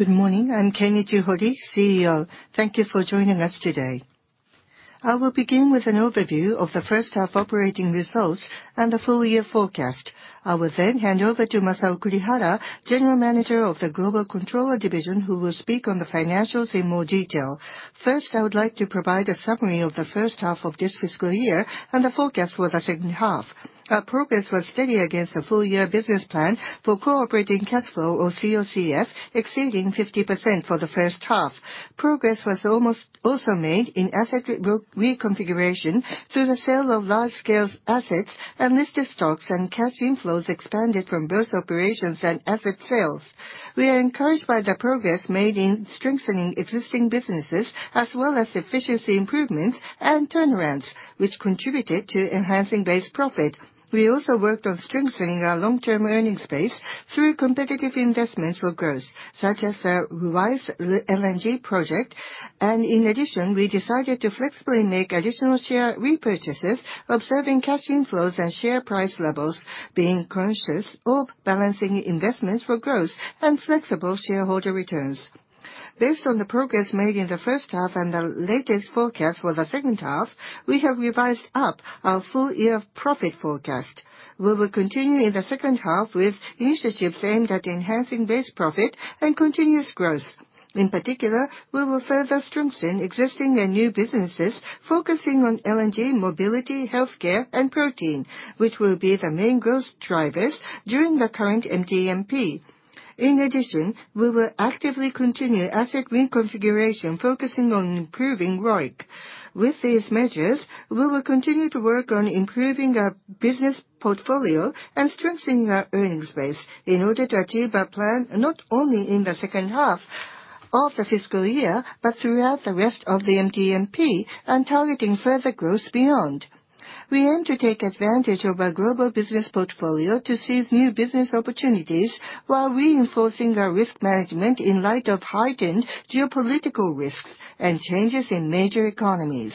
Good morning. I'm Kenichi Hori, CEO. Thank you for joining us today. I will begin with an overview of the first half operating results and the full year forecast. I will then hand over to Masao Kurihara, General Manager of the Global Controller Division, who will speak on the financials in more detail. First, I would like to provide a summary of the first half of this fiscal year and the forecast for the second half. Our progress was steady against the full year business plan for Core Operating Cash Flow, or COCF, exceeding 50% for the first half. Progress was also made in asset reconfiguration through the sale of large-scale assets, listed stocks, and cash inflows expanded from both operations and asset sales. We are encouraged by the progress made in strengthening existing businesses, as well as efficiency improvements and turnarounds, which contributed to enhancing base profit. We also worked on strengthening our long-term earning space through competitive investments for growth, such as the Ruwais LNG project. In addition, we decided to flexibly make additional share repurchases, observing cash inflows and share price levels, being conscious of balancing investments for growth and flexible shareholder returns. Based on the progress made in the first half and the latest forecast for the second half, we have revised up our full-year profit forecast. We will continue in the second half with initiatives aimed at enhancing base profit and continuous growth. In particular, we will further strengthen existing and new businesses, focusing on LNG, mobility, healthcare, and protein, which will be the main growth drivers during the current MTMP. In addition, we will actively continue asset reconfiguration, focusing on improving ROIC. With these measures, we will continue to work on improving our business portfolio and strengthening our earnings base in order to achieve our plan, not only in the second half of the fiscal year, but throughout the rest of the MTMP and targeting further growth beyond. We aim to take advantage of our global business portfolio to seize new business opportunities while reinforcing our risk management in light of heightened geopolitical risks and changes in major economies.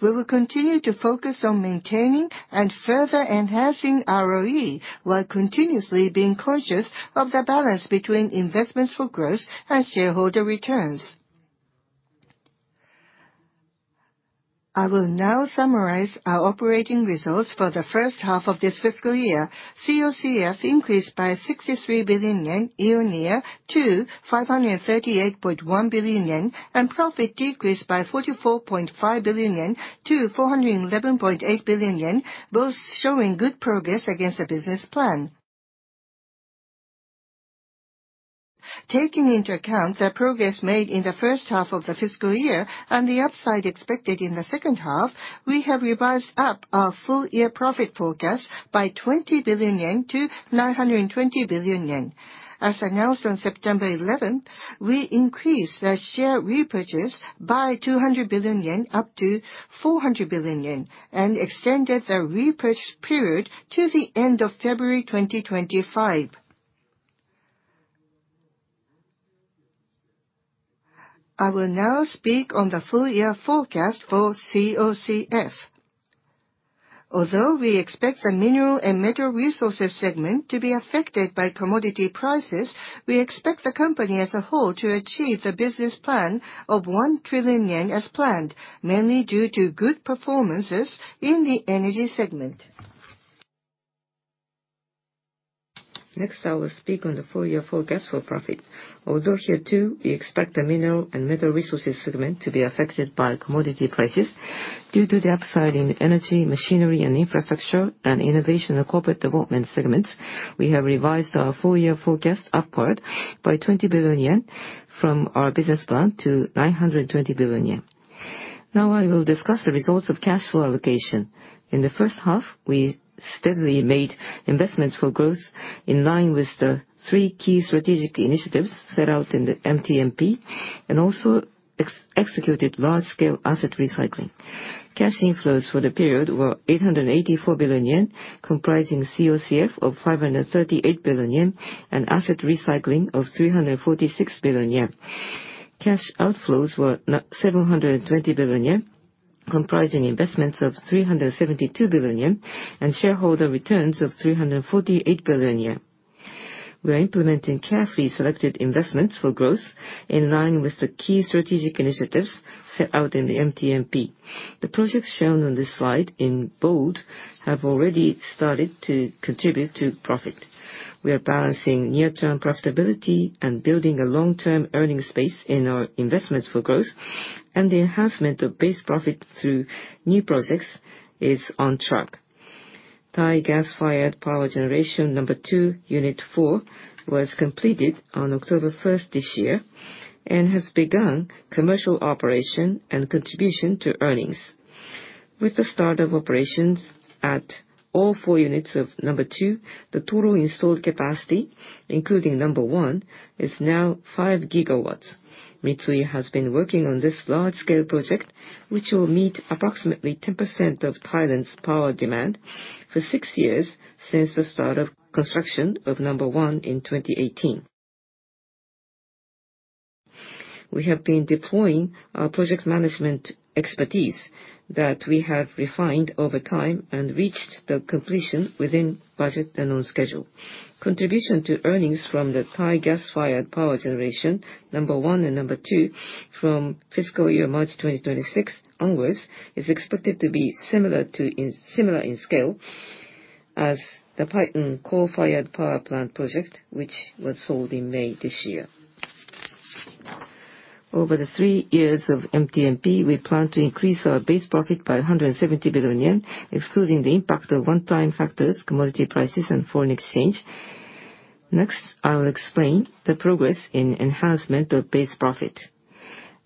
We will continue to focus on maintaining and further enhancing ROE while continuously being conscious of the balance between investments for growth and shareholder returns. I will now summarize our operating results for the first half of this fiscal year. COCF increased by 63 billion yen year-on-year to 538.1 billion yen, and profit decreased by 44.5 billion yen to 411.8 billion yen, both showing good progress against the business plan. Taking into account the progress made in the first half of the fiscal year and the upside expected in the second half, we have revised up our full-year profit forecast by 20 billion yen to 920 billion yen. As announced on September 11th, we increased the share repurchase by 200 billion yen up to 400 billion yen, and extended the repurchase period to the end of February 2025. I will now speak on the full-year forecast for COCF. Although we expect the Mineral & Metal Resources segment to be affected by commodity prices, we expect the company as a whole to achieve the business plan of 1 trillion yen as planned, mainly due to good performances in the Energy segment. Next, I will speak on the full-year forecast for profit. Although here too, we expect the Mineral & Metal Resources segment to be affected by commodity prices, due to the upside in Energy, Machinery & Infrastructure, and Innovation & Corporate Development segments, we have revised our full-year forecast upward by 20 billion yen from our business plan to 920 billion yen. Now I will discuss the results of cash flow allocation. In the first half, we steadily made investments for growth in line with the three key strategic initiatives set out in the MTMP, and also executed large-scale asset recycling. Cash inflows for the period were 884 billion yen, comprising COCF of 538 billion yen and asset recycling of 346 billion yen. Cash outflows were 720 billion yen, comprising investments of 372 billion yen and shareholder returns of 348 billion yen. We are implementing carefully selected investments for growth in line with the key strategic initiatives set out in the MTMP. The projects shown on this slide in bold have already started to contribute to profit. We are balancing near-term profitability and building a long-term earning space in our investments for growth, and the enhancement of base profit through new projects is on track. Thai gas-fired power generation number 2, unit 4, was completed on October 1st this year, and has begun commercial operation and contribution to earnings. With the start of operations at all four units of number 2, the total installed capacity, including number 1, is now 5 gigawatts. Mitsui has been working on this large-scale project, which will meet approximately 10% of Thailand's power demand, for 6 years since the start of construction of number 1 in 2018. We have been deploying our project management expertise that we have refined over time and reached the completion within budget and on schedule. Contribution to earnings from the Thai gas-fired power generation, number 1 and number 2, from fiscal year March 2026 onwards, is expected to be similar in scale as the Paiton coal-fired power plant project, which was sold in May this year. Over the 3 years of MTMP, we plan to increase our base profit by 170 billion yen, excluding the impact of one-time factors, commodity prices, and foreign exchange. Next, I will explain the progress in enhancement of base profit.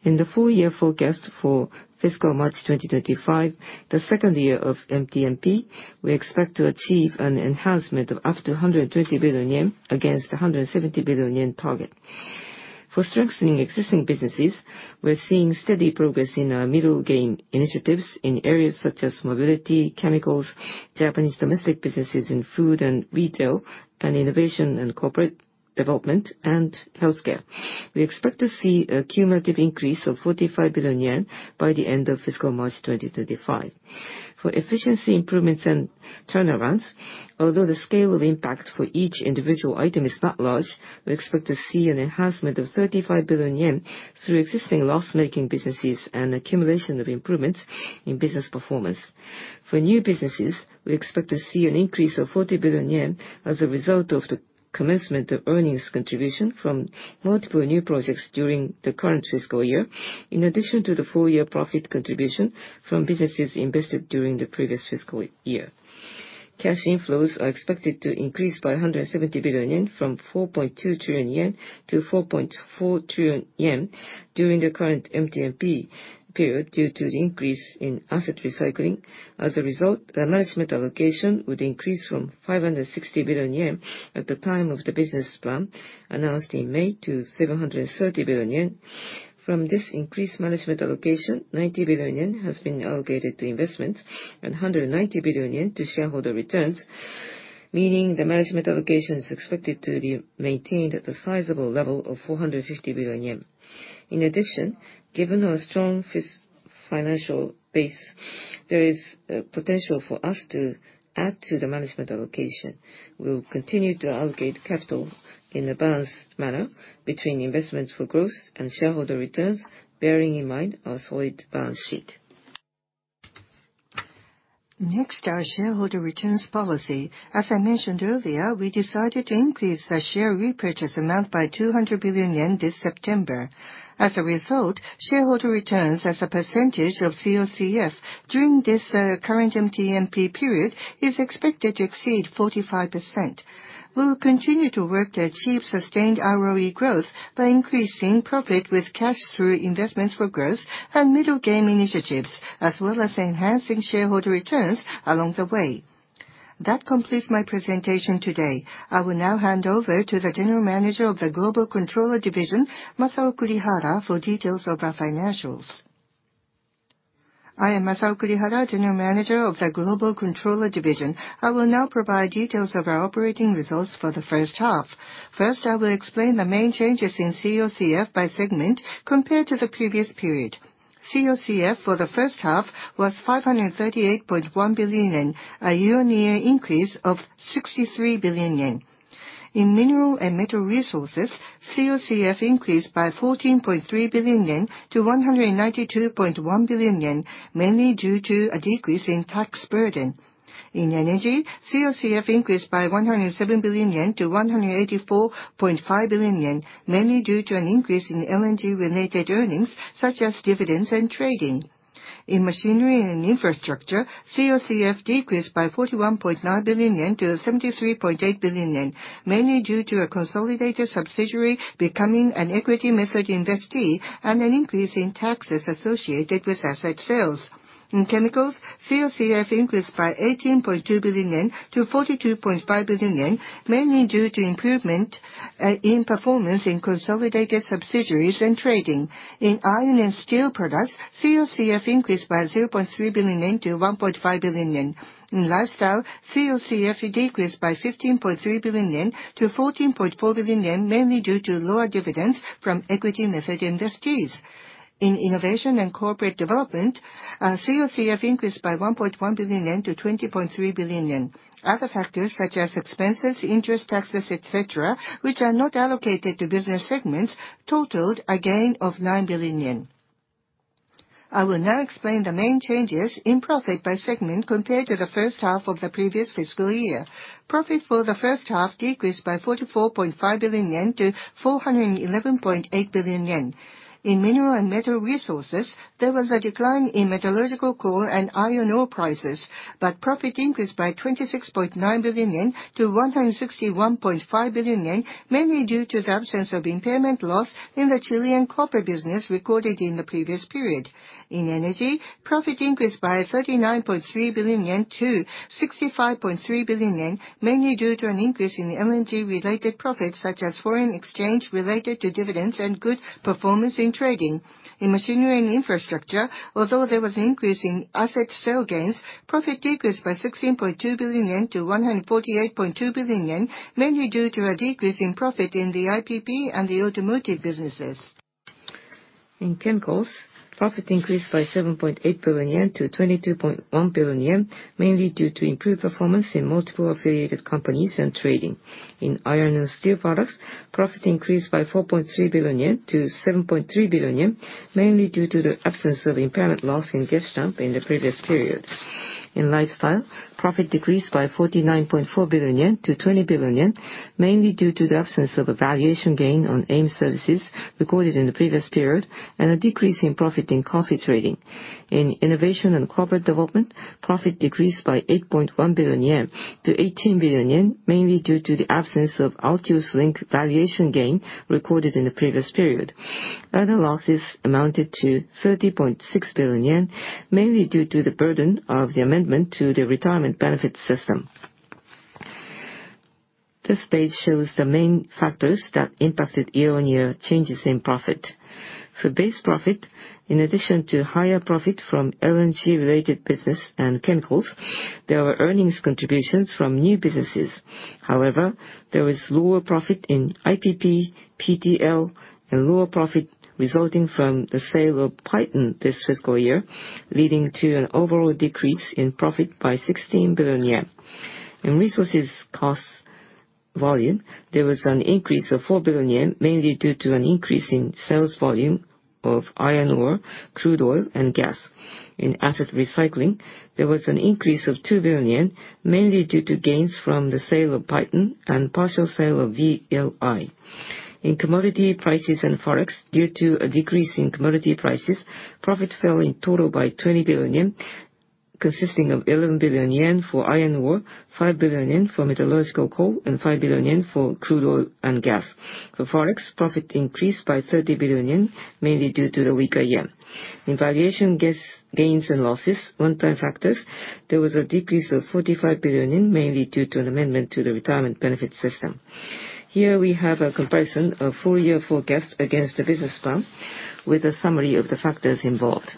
In the full-year forecast for fiscal March 2025, the second year of MTMP, we expect to achieve an enhancement of up to 120 billion yen against the 170 billion yen target. For strengthening existing businesses, we are seeing steady progress in our middle game initiatives in areas such as mobility, Chemicals, Japanese domestic businesses in food and retail, and Innovation & Corporate Development, and healthcare. We expect to see a cumulative increase of 45 billion yen by the end of fiscal March 2025. For efficiency improvements and turnarounds, although the scale of impact for each individual item is not large, we expect to see an enhancement of 35 billion yen through existing loss-making businesses and accumulation of improvements in business performance. For new businesses, we expect to see an increase of 40 billion yen as a result of the commencement of earnings contribution from multiple new projects during the current fiscal year. In addition to the full-year profit contribution from businesses invested during the previous fiscal year. Cash inflows are expected to increase by 170 billion yen from 4.2 trillion yen to 4.4 trillion yen during the current MTMP period, due to the increase in asset recycling. As a result, the management allocation would increase from 560 billion yen at the time of the business plan announced in May to 730 billion yen. From this increased management allocation, 90 billion yen has been allocated to investments and 190 billion yen to shareholder returns, meaning the management allocation is expected to be maintained at the sizable level of 450 billion yen. In addition, given our strong financial base, there is potential for us to add to the management allocation. We will continue to allocate capital in a balanced manner between investments for growth and shareholder returns, bearing in mind our solid balance sheet. Next, our shareholder returns policy. As I mentioned earlier, we decided to increase the share repurchase amount by 200 billion yen this September. As a result, shareholder returns as a percentage of COCF during this current MTMP period is expected to exceed 45%. We will continue to work to achieve sustained ROE growth by increasing profit with cash through investments for growth and middle game initiatives, as well as enhancing shareholder returns along the way. That completes my presentation today. I will now hand over to the General Manager of the Global Controller Division, Masao Kurihara, for details of our financials. I am Masao Kurihara, General Manager of the Global Controller Division. I will now provide details of our operating results for the first half. First, I will explain the main changes in COCF by segment compared to the previous period. COCF for the first half was 538.1 billion yen, a year-on-year increase of 63 billion yen. In Mineral & Metal Resources, COCF increased by 14.3 billion yen to 192.1 billion yen, mainly due to a decrease in tax burden. In Energy, COCF increased by 107 billion yen to 184.5 billion yen, mainly due to an increase in LNG-related earnings, such as dividends and trading. In Machinery & Infrastructure, COCF decreased by 41.9 billion yen to 73.8 billion yen, mainly due to a consolidated subsidiary becoming an equity method investee and an increase in taxes associated with asset sales. In Chemicals, COCF increased by 18.2 billion yen to 42.5 billion yen, mainly due to improvement in performance in consolidated subsidiaries and trading. In Iron & Steel Products, COCF increased by 0.3 billion yen to 1.5 billion yen. In Lifestyle, COCF decreased by 15.3 billion yen to 14.4 billion yen, mainly due to lower dividends from equity method investees. In Innovation & Corporate Development, COCF increased by 1.1 billion yen to 20.3 billion yen. Other factors such as expenses, interest, taxes, et cetera, which are not allocated to business segments, totaled a gain of 9 billion yen. I will now explain the main changes in profit by segment compared to the first half of the previous fiscal year. Profit for the first half decreased by 44.5 billion yen to 411.8 billion yen. In Mineral & Metal Resources, there was a decline in metallurgical coal and iron ore prices, but profit increased by 26.9 billion yen to 161.5 billion yen, mainly due to the absence of impairment loss in the Chilean copper business recorded in the previous period. In Energy, profit increased by 39.3 billion yen to 65.3 billion yen, mainly due to an increase in LNG-related profits, such as foreign exchange related to dividends and good performance in trading. In Machinery & Infrastructure, although there was an increase in asset sale gains, profit decreased by 16.2 billion yen to 148.2 billion yen, mainly due to a decrease in profit in the IPP and the automotive businesses. In Chemicals, profit increased by 7.8 billion yen to 22.1 billion yen, mainly due to improved performance in multiple affiliated companies and trading. In Iron & Steel Products, profit increased by 4.3 billion yen to 7.3 billion yen, mainly due to the absence of impairment loss in Geshinp in the previous period. In Lifestyle, profit decreased by 49.4 billion yen to 20 billion yen, mainly due to the absence of a valuation gain on AIM Services recorded in the previous period, and a decrease in profit in coffee trading. In Innovation & Corporate Development, profit decreased by 8.1 billion yen to 18 billion yen, mainly due to the absence of Altius Link valuation gain recorded in the previous period. Other losses amounted to 30.6 billion yen, mainly due to the burden of the amendment to the retirement benefits system. This page shows the main factors that impacted year-on-year changes in profit. For base profit, in addition to higher profit from LNG-related business and Chemicals, there were earnings contributions from new businesses. However, there was lower profit in IPP, Paiton, and lower profit resulting from the sale of Paiton this fiscal year, leading to an overall decrease in profit by 16 billion yen. In resources costs volume, there was an increase of 4 billion yen, mainly due to an increase in sales volume of iron ore, crude oil, and gas. In asset recycling, there was an increase of 2 billion, mainly due to gains from the sale of Paiton and partial sale of VLI. In commodity prices and Forex, due to a decrease in commodity prices, profit fell in total by 20 billion yen, consisting of 11 billion yen for iron ore, 5 billion yen for metallurgical coal, and 5 billion yen for crude oil and gas. For Forex, profit increased by 30 billion yen, mainly due to the weaker yen. In valuation gains and losses, one-time factors, there was a decrease of 45 billion, mainly due to an amendment to the retirement benefit system. Here we have a comparison of full-year forecast against the business plan with a summary of the factors involved.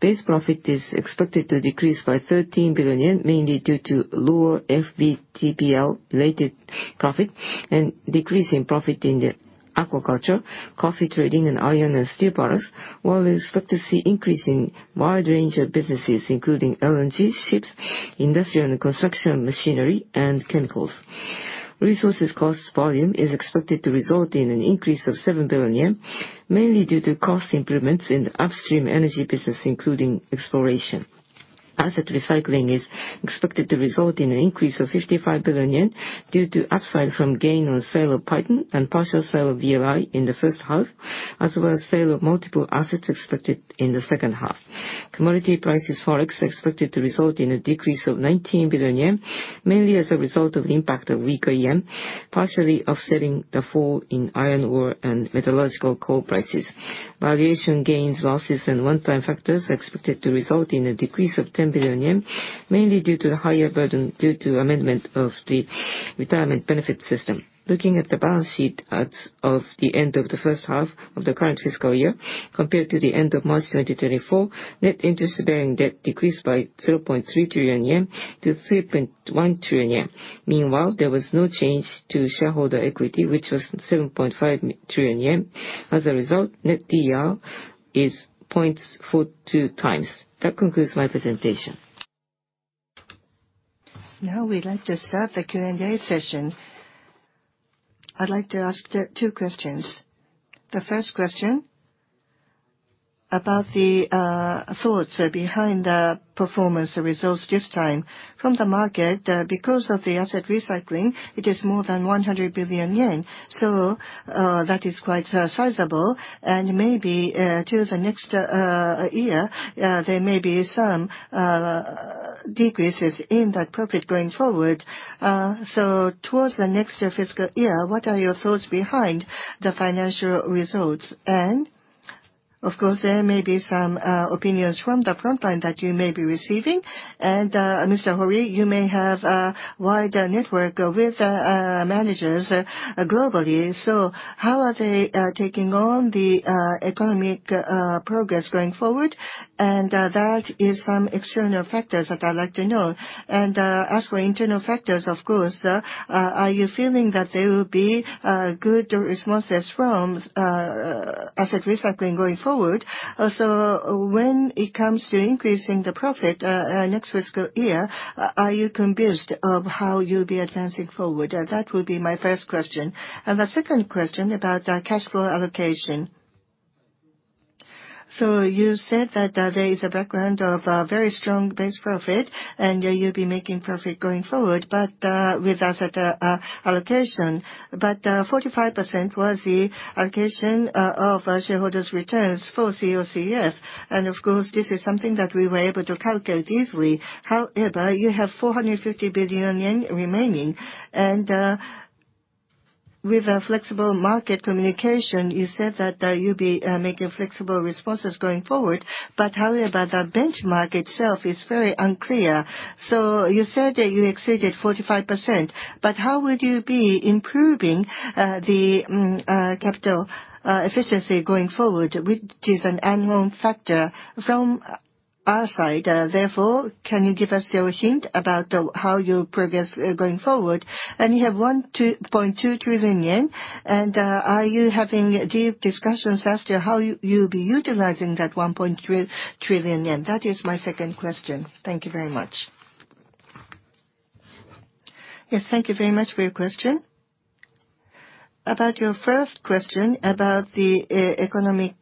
Base profit is expected to decrease by 13 billion yen, mainly due to lower FBTL-related profit and decrease in profit in the aquaculture, coffee trading, and Iron & Steel Products, while we expect to see increase in wide range of businesses, including LNG, ships, industrial and construction machinery, and Chemicals. Resources cost volume is expected to result in an increase of 7 billion yen, mainly due to cost improvements in the upstream Energy business, including exploration. Asset recycling is expected to result in an increase of 55 billion yen due to upside from gain on sale of Paiton and partial sale of VLI in the first half, as well as sale of multiple assets expected in the second half. We'd like to start the Q&A session. I'd like to ask two questions. The first question, about the thoughts behind the performance results this time. From the market, because of the asset recycling, it is more than 100 billion yen. That is quite sizable, and maybe to the next year, there may be some decreases in that profit going forward. Towards the next fiscal year, what are your thoughts behind the financial results? Of course, there may be some opinions from the front line that you may be receiving. Mr. Hori, you may have a wide network with managers globally. How are they taking on the economic progress going forward? That is from external factors that I'd like to know. As for internal factors, of course, are you feeling that there will be good responses from asset recycling going forward? You said that there is a background of a very strong base profit, and you'll be making profit going forward, but with asset allocation. 45% was the allocation of shareholders' returns for COCF. Of course, this is something that we were able to calculate easily. However, you have 450 billion yen remaining. With a flexible market communication, you said that you'll be making flexible responses going forward, however, the benchmark itself is very unclear. You said that you exceeded 45%, but how would you be improving the capital efficiency going forward, which is an annual factor from our side. Therefore, can you give us your hint about how you progress going forward? You have 1.2 trillion yen, and are you having deep discussions as to how you will be utilizing that 1.2 trillion yen? That is my second question. Thank you very much. Yes, thank you very much for your question. About your first question about the economic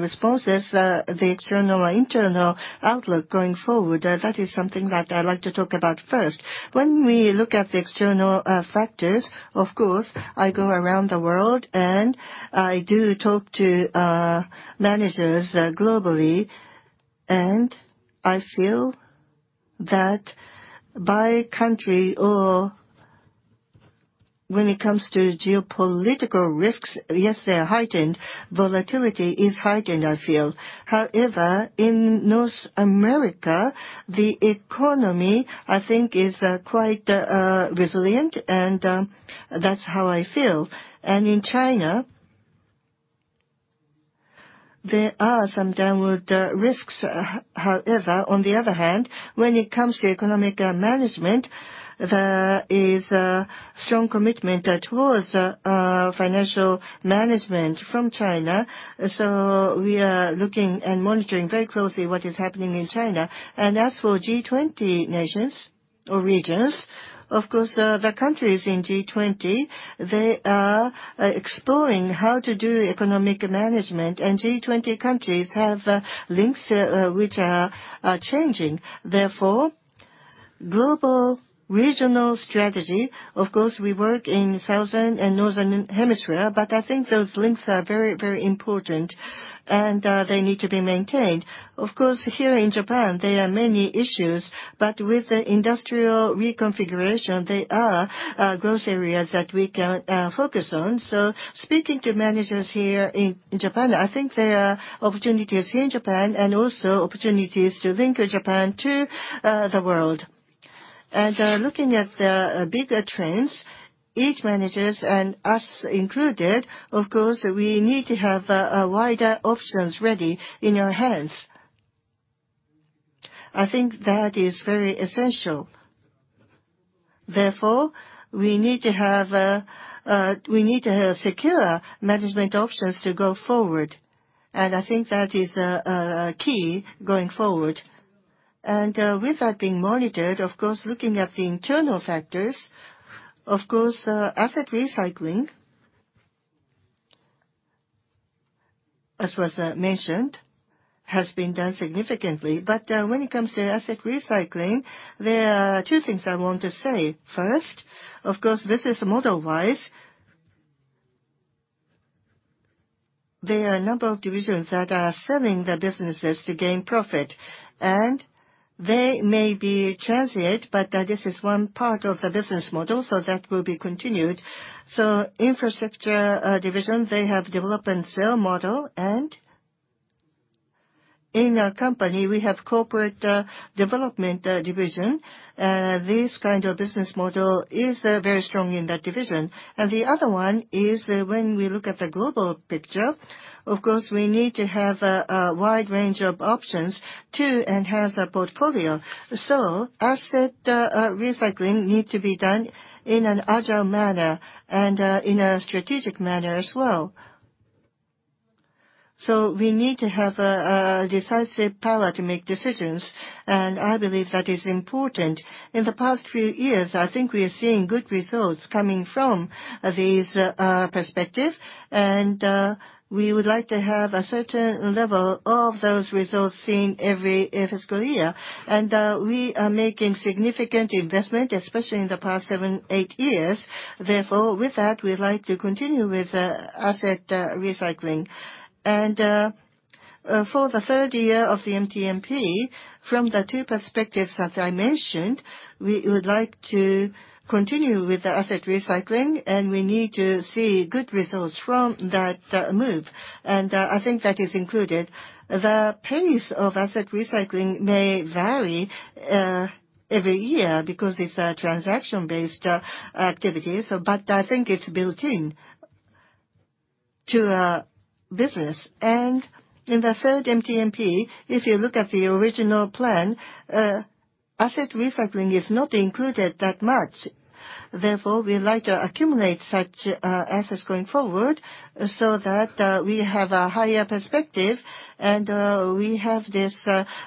responses, the external or internal outlook going forward, that is something that I would like to talk about first. When we look at the external factors, of course, I go around the world and I do talk to managers globally, and I feel that by country or when it comes to geopolitical risks, yes, they are heightened. Volatility is heightened, I feel. However, in North America, the economy, I think, is quite resilient, and that is how I feel. In China, there are some downward risks. However, on the other hand, when it comes to economic management, there is a strong commitment towards financial management from China. As for G20 nations or regions, of course, the countries in G20, they are exploring how to do economic management, and G20 countries have links which are changing. Therefore, global regional strategy, of course, we work in southern and northern hemisphere, but I think those links are very important, and they need to be maintained. Of course, here in Japan, there are many issues, but with the industrial reconfiguration, there are growth areas that we can focus on. Speaking to managers here in Japan, I think there are opportunities here in Japan and also opportunities to link Japan to the world. Looking at the bigger trends, each managers, and us included, of course, we need to have wider options ready in our hands. I think that is very essential. Therefore, we need to have secure management options to go forward. I think that is a key going forward. With that being monitored, of course, looking at the internal factors, of course, asset recycling, as was mentioned, has been done significantly. When it comes to asset recycling, there are two things I want to say. First, of course, this is model-wise. There are a number of divisions that are selling their businesses to gain profit, and they may be transient, but this is one part of the business model, so that will be continued. Infrastructure division, they have develop and sell model, and in our company, we have Corporate Development Division. The other one is when we look at the global picture, of course, we need to have a wide range of options to enhance our portfolio. Asset recycling needs to be done in an agile manner and in a strategic manner as well. We need to have a decisive power to make decisions, and I believe that is important. In the past few years, I think we are seeing good results coming from these perspectives, and we would like to have a certain level of those results seen every fiscal year. Therefore, with that, we would like to continue with asset recycling, especially in the past seven, eight years. For the third year of the MTMP, from the two perspectives as I mentioned, we would like to continue with the asset recycling, and we need to see good results from that move. I think that is included. The pace of asset recycling may vary every year because it is a transaction-based activity, but I think it is built in to our business. In the third MTMP, if you look at the original plan, asset recycling is not included that much. Therefore, we would like to accumulate such assets going forward so that we have a higher perspective, and we have these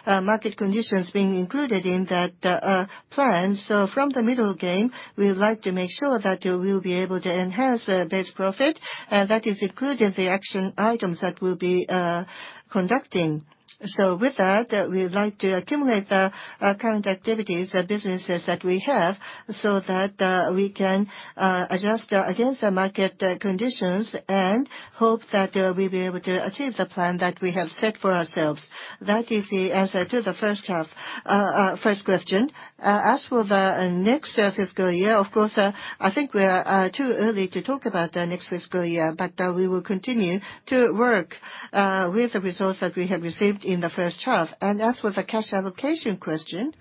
market conditions being included in that plan. From the middle game, we would like to make sure that we will be able to enhance base profit. That is included in the action items that we will be conducting. With that, we would like to accumulate the current activities, the businesses that we have, so that we can adjust against the market conditions, and hope that we will be able to achieve the plan that we have set for ourselves. That is the answer to the first question. As for the next fiscal year, of course, I think we are too early to talk about the next fiscal year. We will continue to work with the results that we have received in the first half. As for the cash allocation question,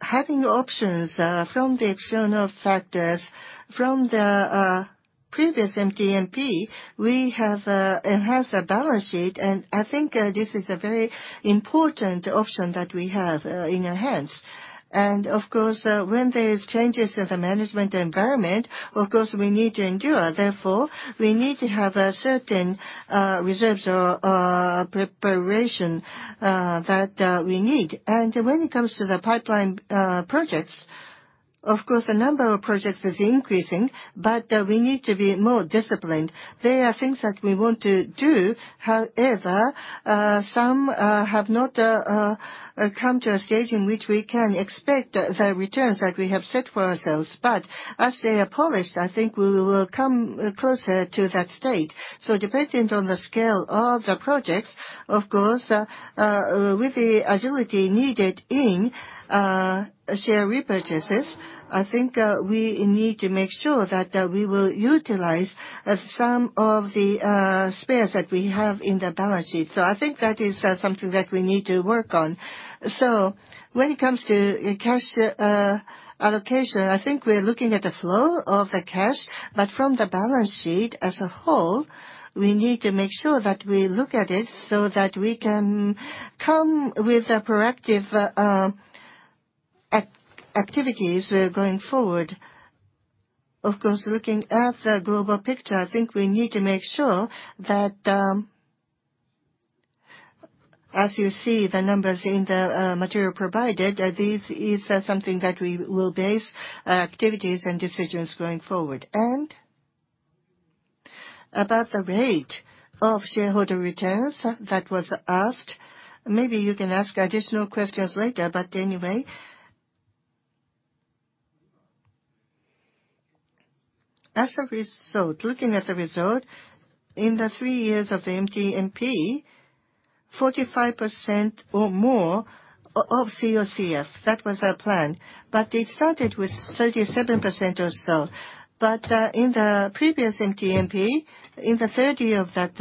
having options from the external factors from the previous MTMP, we have enhanced the balance sheet, and I think this is a very important option that we have in our hands. Of course, when there are changes in the management environment, of course, we need to endure, therefore, we need to have certain reserves or preparation that we need. When it comes to the pipeline projects, of course, the number of projects is increasing, but we need to be more disciplined. There are things that we want to do. However, some have not come to a stage in which we can expect the returns like we have set for ourselves. As they are polished, I think we will come closer to that state. Depending on the scale of the projects, of course, with the agility needed in share repurchases, I think we need to make sure that we will utilize some of the spares that we have in the balance sheet. I think that is something that we need to work on. When it comes to cash allocation, I think we are looking at the flow of the cash, but from the balance sheet as a whole, we need to make sure that we look at it so that we can come with proactive activities going forward. Of course, looking at the global picture, I think we need to make sure that, as you see the numbers in the material provided, this is something that we will base activities and decisions going forward. About the rate of shareholder returns that was asked, maybe you can ask additional questions later, but anyway. As a result, looking at the result in the 3 years of the MTMP, 45% or more of COCF, that was our plan. It started with 37% or so. In the previous MTMP, in the third year of that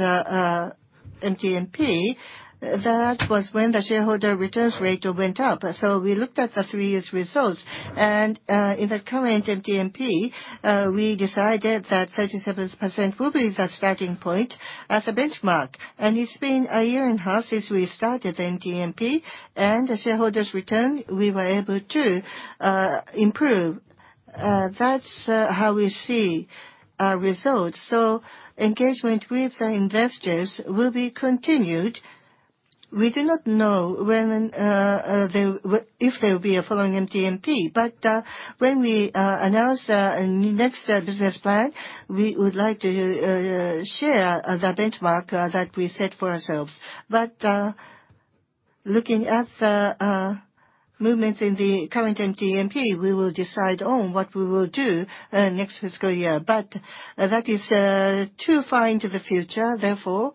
MTMP, that was when the shareholder returns rate went up. We looked at the three years results. In the current MTMP, we decided that 37% will be the starting point as a benchmark. It's been a year and a half since we started MTMP, and the shareholders' return, we were able to improve. That's how we see our results. Engagement with the investors will be continued. We do not know if there will be a following MTMP. When we announce the next business plan, we would like to share the benchmark that we set for ourselves. Looking at the movements in the current MTMP, we will decide on what we will do next fiscal year. That is too far into the future, therefore,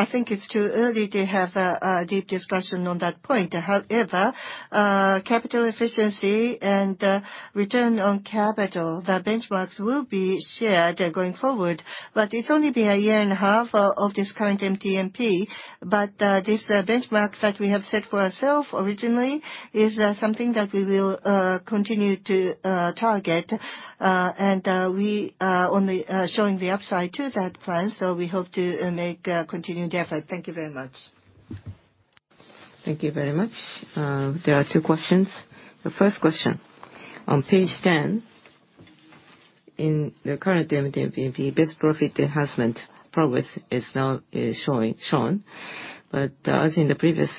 I think it's too early to have a deep discussion on that point. However, capital efficiency and return on capital, the benchmarks will be shared going forward. It's only been a year and a half of this current MTMP. This benchmark that we have set for ourself originally is something that we will continue to target. We are only showing the upside to that plan. We hope to make continued effort. Thank you very much. Thank you very much. There are two questions. The first question, on page 10, in the current MTMP, base profit enhancement progress is now shown. As in the previous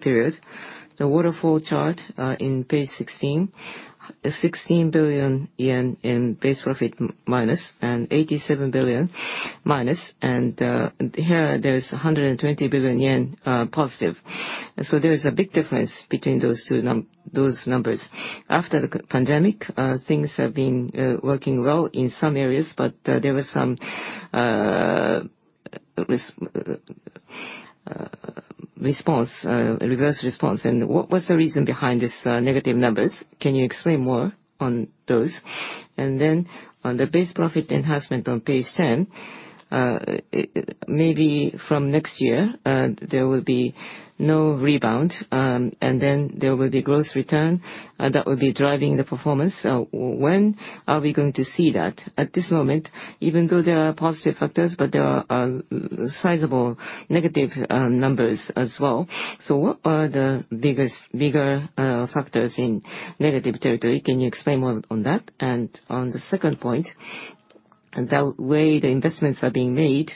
period, the waterfall chart in page 16, 16 billion yen in base profit minus, 87 billion minus, and here there is 120 billion yen positive. There is a big difference between those numbers. After the pandemic, things have been working well in some areas. There were some reverse response. What was the reason behind these negative numbers? Can you explain more on those? On the base profit enhancement on page 10, maybe from next year, there will be no rebound. There will be growth return that will be driving the performance. When are we going to see that? At this moment, even though there are positive factors, there are sizable negative numbers as well. What are the bigger factors in negative territory? Can you explain more on that? On the second point, the way the investments are being made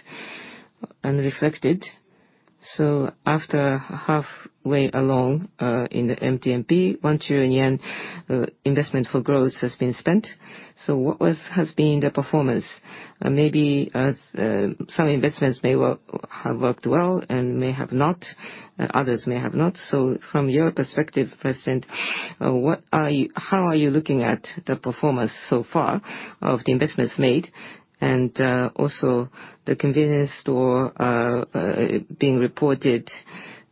and reflected. After halfway along in the MTMP, 1 trillion yen investment for growth has been spent. What has been the performance? Maybe some investments may have worked well and others may have not. From your perspective, President, how are you looking at the performance so far of the investments made? Also the convenience store being reported.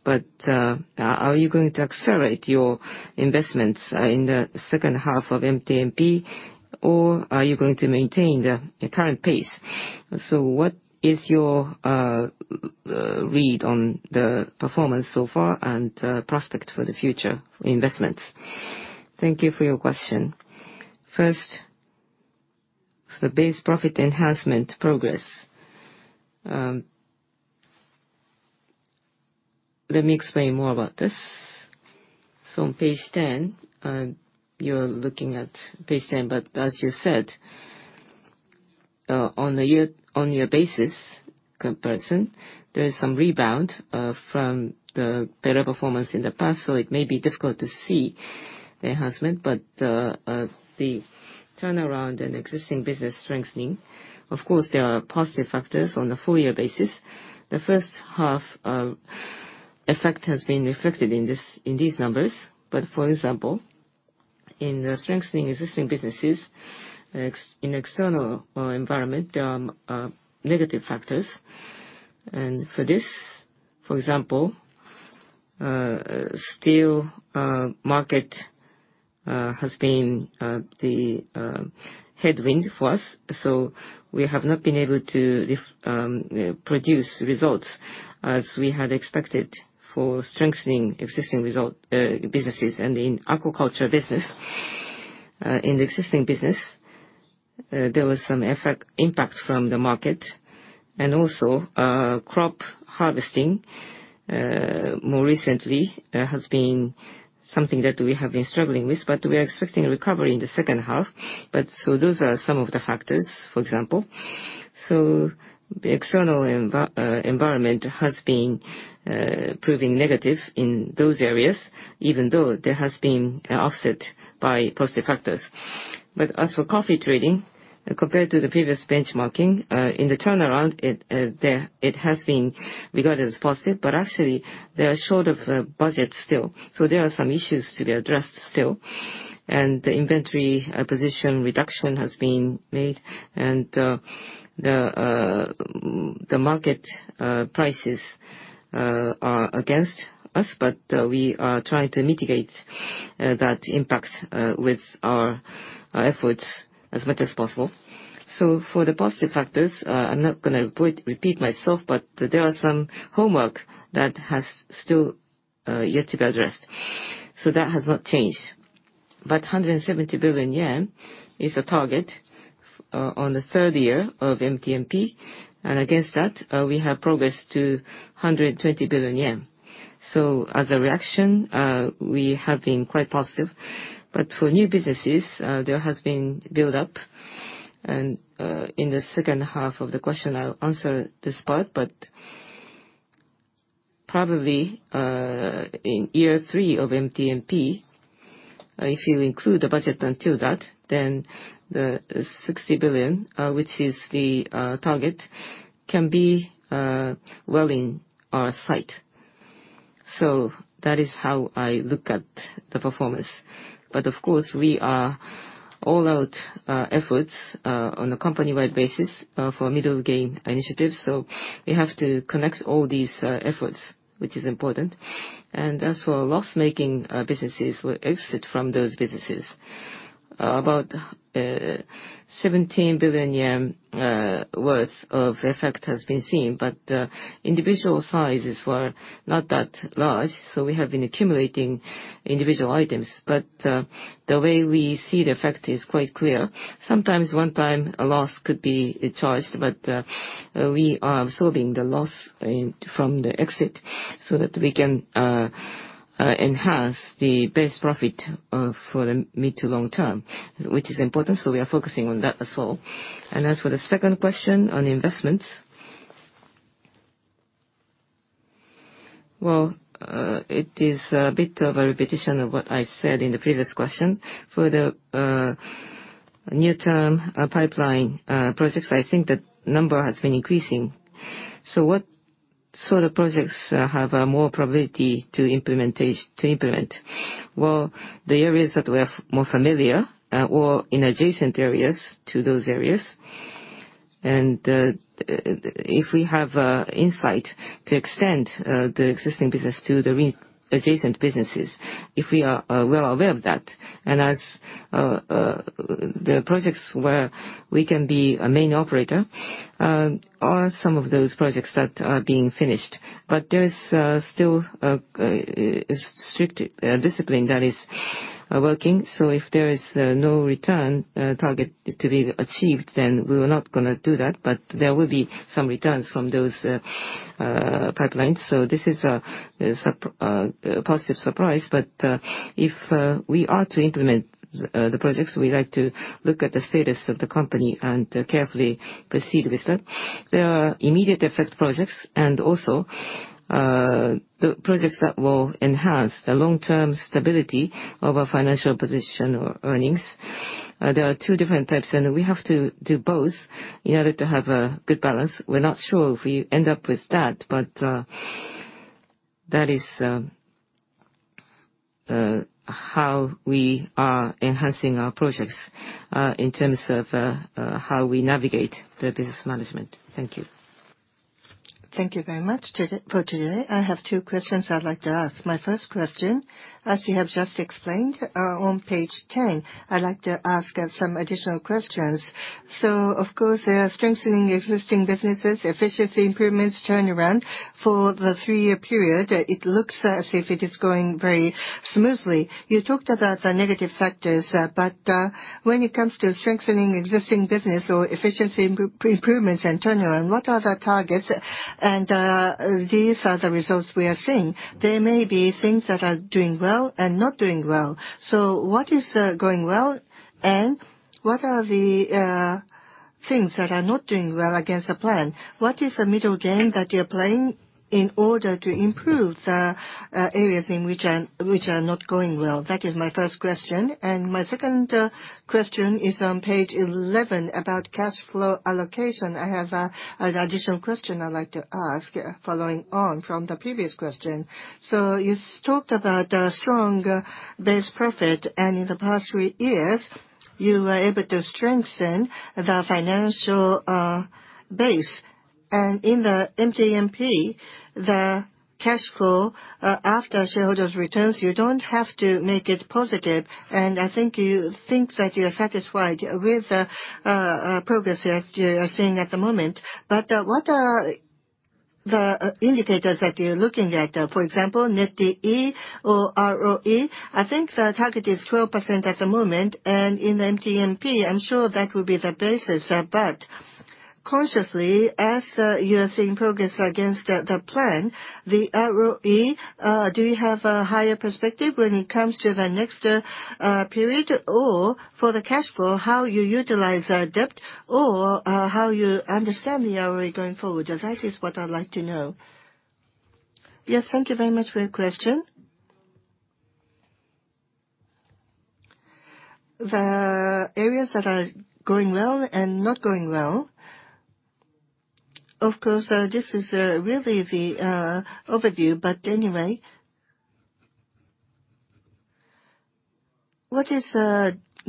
Are you going to accelerate your investments in the second half of MTMP, or are you going to maintain the current pace? What is your read on the performance so far, and the prospect for the future investments? Thank you for your question. First, the base profit enhancement progress. Let me explain more about this. On page 10, you're looking at page 10. As you said, on a year basis comparison, there is some rebound from the better performance in the past, so it may be difficult to see the enhancement. The turnaround in existing business strengthening, of course, there are positive factors on the full year basis. The first half effect has been reflected in these numbers. For example, in the strengthening existing businesses, in external environment, there are negative factors. For this, for example, steel market has been the headwind for us, so we have not been able to produce results as we had expected for strengthening existing businesses. In agriculture business, in the existing business, there was some impact from the market. Also, crop harvesting, more recently, has been something that we have been struggling with, but we are expecting a recovery in the second half. Those are some of the factors, for example. The external environment has been proving negative in those areas, even though there has been offset by positive factors. As for coffee trading, compared to the previous benchmarking, in the turnaround, it has been regarded as positive, but actually they are short of budget still. There are some issues to be addressed still. The inventory position reduction has been made, and the market prices are against us. We are trying to mitigate that impact with our efforts as much as possible. For the positive factors, I'm not going to repeat myself, but there are some homework that has still yet to be addressed. That has not changed. 170 billion yen is a target on the third year of MTMP. Against that, we have progressed to 120 billion yen. As a reaction, we have been quite positive. For new businesses, there has been build-up. In the second half of the question, I'll answer this part, but probably in year three of MTMP, if you include the budget until that, then the 60 billion, which is the target, can be well in our sight. That is how I look at the performance. Of course, we are all-out efforts on a company-wide basis for middle game initiatives. We have to connect all these efforts, which is important. As for loss-making businesses, we exit from those businesses. About 17 billion yen worth of effect has been seen, but individual sizes were not that large, so we have been accumulating individual items. The way we see the effect is quite clear. Sometimes, one time a loss could be charged, but we are absorbing the loss from the exit, so that we can enhance the base profit for the mid to long term, which is important. We are focusing on that as well. As for the second question on investments, well, it is a bit of a repetition of what I said in the previous question. For the near-term pipeline projects, I think the number has been increasing. What sort of projects have more probability to implement? Well, the areas that we are more familiar, or in adjacent areas to those areas. If we have insight to extend the existing business to the adjacent businesses, if we are well aware of that. As the projects where we can be a main operator, are some of those projects that are being finished. There is still a strict discipline that is working. If there is no return target to be achieved, then we will not going to do that. There will be some returns from those pipelines, so this is a positive surprise. If we are to implement the projects, we like to look at the status of the company and carefully proceed with them. There are immediate effect projects and also the projects that will enhance the long-term stability of our financial position or earnings. There are 2 different types, and we have to do both in order to have a good balance. We're not sure if we end up with that is how we are enhancing our projects, in terms of how we navigate the business management. Thank you. Thank you very much for today. I have two questions I'd like to ask. My first question, as you have just explained on page 10, I'd like to ask some additional questions. Of course, strengthening existing businesses, efficiency improvements, turnaround. For the three-year period, it looks as if it is going very smoothly. You talked about the negative factors, when it comes to strengthening existing business or efficiency improvements and turnaround, what are the targets? These are the results we are seeing. There may be things that are doing well and not doing well. What is going well, and what are the things that are not doing well against the plan? What is the middle game that you're playing in order to improve the areas which are not going well? That is my first question. My second question is on page 11 about cash flow allocation. I have an additional question I'd like to ask, following on from the previous question. You talked about strong base profit, in the past three years, you were able to strengthen the financial base. In the MTMP, the cash flow after shareholders' returns, you don't have to make it positive. I think you think that you are satisfied with the progress that you are seeing at the moment. What are the indicators that you're looking at? For example, Net D/E or ROE? I think the target is 12% at the moment, and in MTMP, I'm sure that will be the basis. Consciously, as you are seeing progress against the plan, the ROE, do you have a higher perspective when it comes to the next period? For the cash flow, how you utilize the debt, or how you understand the ROE going forward? That is what I'd like to know. Yes, thank you very much for your question. The areas that are going well and not going well, of course, this is really the overview, but anyway. What is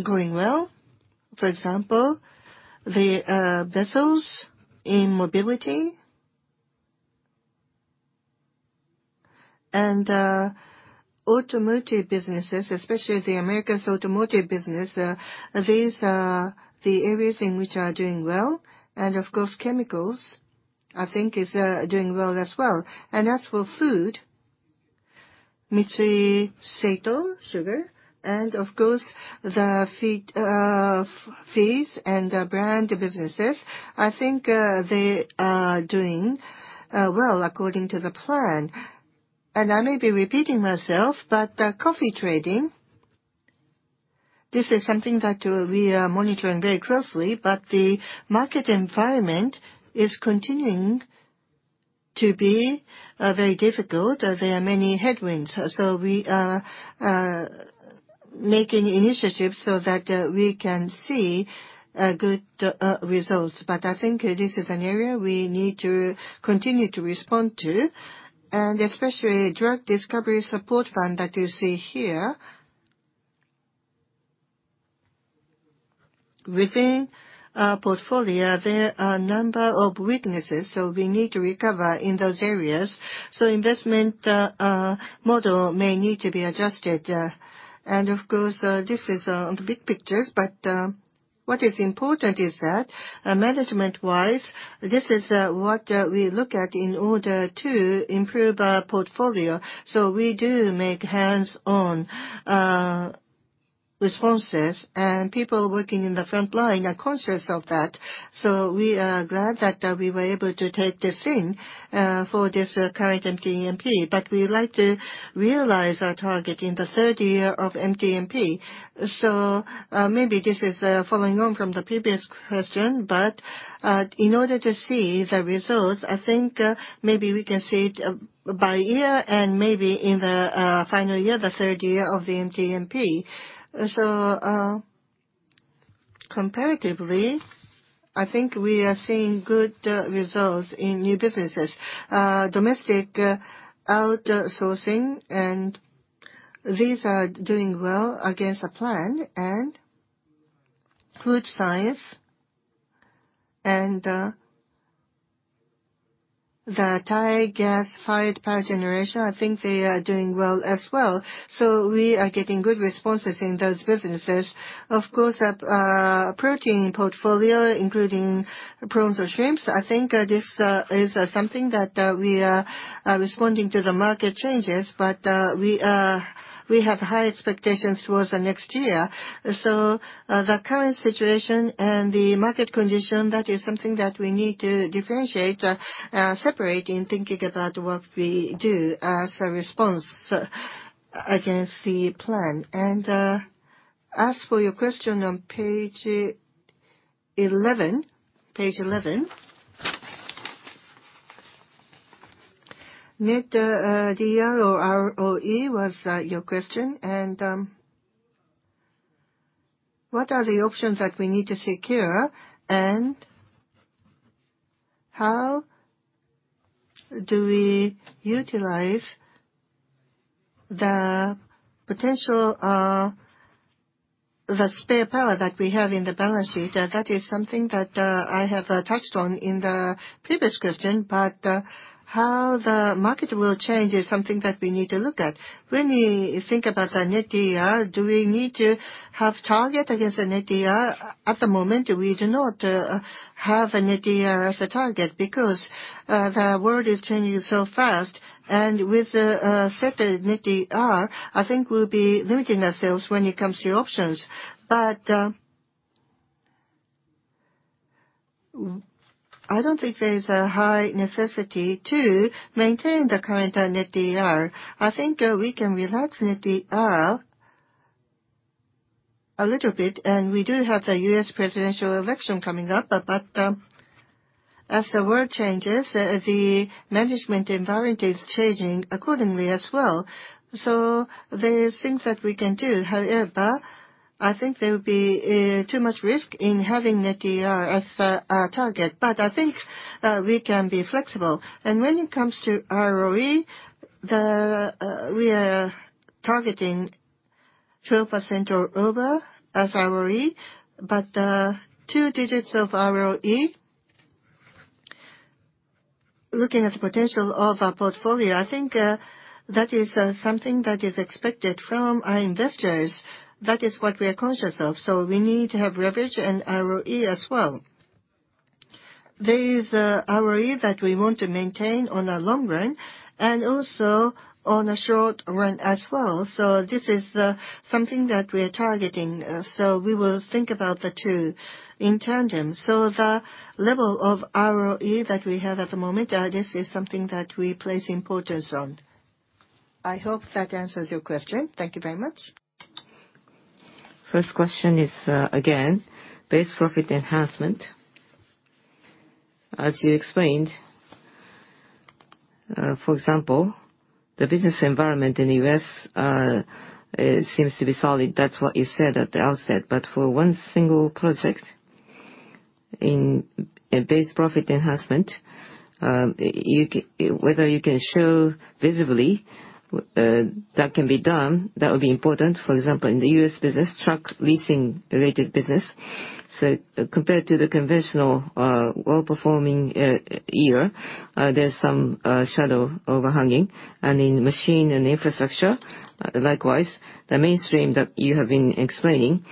going well, for example, the vessels in mobility and automotive businesses, especially the Americas automotive business. These are the areas in which are doing well. Of course, Chemicals, I think, is doing well as well. As for food, Mitsui, Seito, sugar, and of course, the fees and brand businesses. I think they are doing well according to the plan. I may be repeating myself, but coffee trading, this is something that we are monitoring very closely, but the market environment is continuing to be very difficult. There are many headwinds. We are making initiatives so that we can see good results. I think this is an area we need to continue to respond to, and especially drug discovery support fund that you see here. Within our portfolio, there are a number of weaknesses, so we need to recover in those areas. Investment model may need to be adjusted. Of course, this is the big picture. What is important is that management-wise, this is what we look at in order to improve our portfolio. We do make hands-on responses, and people working in the front line are conscious of that. We are glad that we were able to take this in for this current MTMP. We like to realize our target in the third year of MTMP. Maybe this is following on from the previous question, but in order to see the results, I think maybe we can see it by year and maybe in the final year, the third year of the MTMP. Comparatively, I think we are seeing good results in new businesses. Domestic outsourcing. These are doing well against the plan. Food science. The Thai gas-fired power generation, I think they are doing well as well. We are getting good responses in those businesses. Of course, our protein portfolio, including prawns or shrimps, I think this is something that we are responding to the market changes. We have high expectations towards the next year. The current situation and the market condition, that is something that we need to differentiate, separate in thinking about what we do as a response against the plan. As for your question on page 11. Net D/E ratio or ROE was your question. What are the options that we need to secure, and how do we utilize The potential, the spare power that we have in the balance sheet, that is something that I have touched on in the previous question, but how the market will change is something that we need to look at. When we think about the Net D/E ratio, do we need to have target against the Net D/E ratio? At the moment, we do not have Net D/E ratio as a target because the world is changing so fast. With a set Net D/E ratio, I think we'll be limiting ourselves when it comes to options. I don't think there's a high necessity to maintain the current Net D/E ratio. I think we can relax Net D/E ratio a little bit, we do have the U.S. presidential election coming up, but as the world changes, the management environment is changing accordingly as well. There are things that we can do. However, I think there will be too much risk in having Net D/E ratio as a target. I think we can be flexible. When it comes to ROE, we are targeting 12% or over as ROE, but two digits of ROE, looking at the potential of our portfolio, I think that is something that is expected from our investors. That is what we are conscious of. We need to have leverage in ROE as well. There is ROE that we want to maintain on the long run and also on the short run as well. This is something that we are targeting. We will think about the two in tandem. The level of ROE that we have at the moment, this is something that we place importance on. I hope that answers your question. Thank you very much. First question is, again, base profit enhancement. As you explained, for example, the business environment in U.S. seems to be solid. That's what you said at the outset. For one single project in base profit enhancement, whether you can show visibly that can be done, that would be important. For example, in the U.S. business, trucks leasing related business. Compared to the conventional well-performing year, there's some shadow overhanging. In Machinery & Infrastructure, likewise, the mainstream that you have been explaining,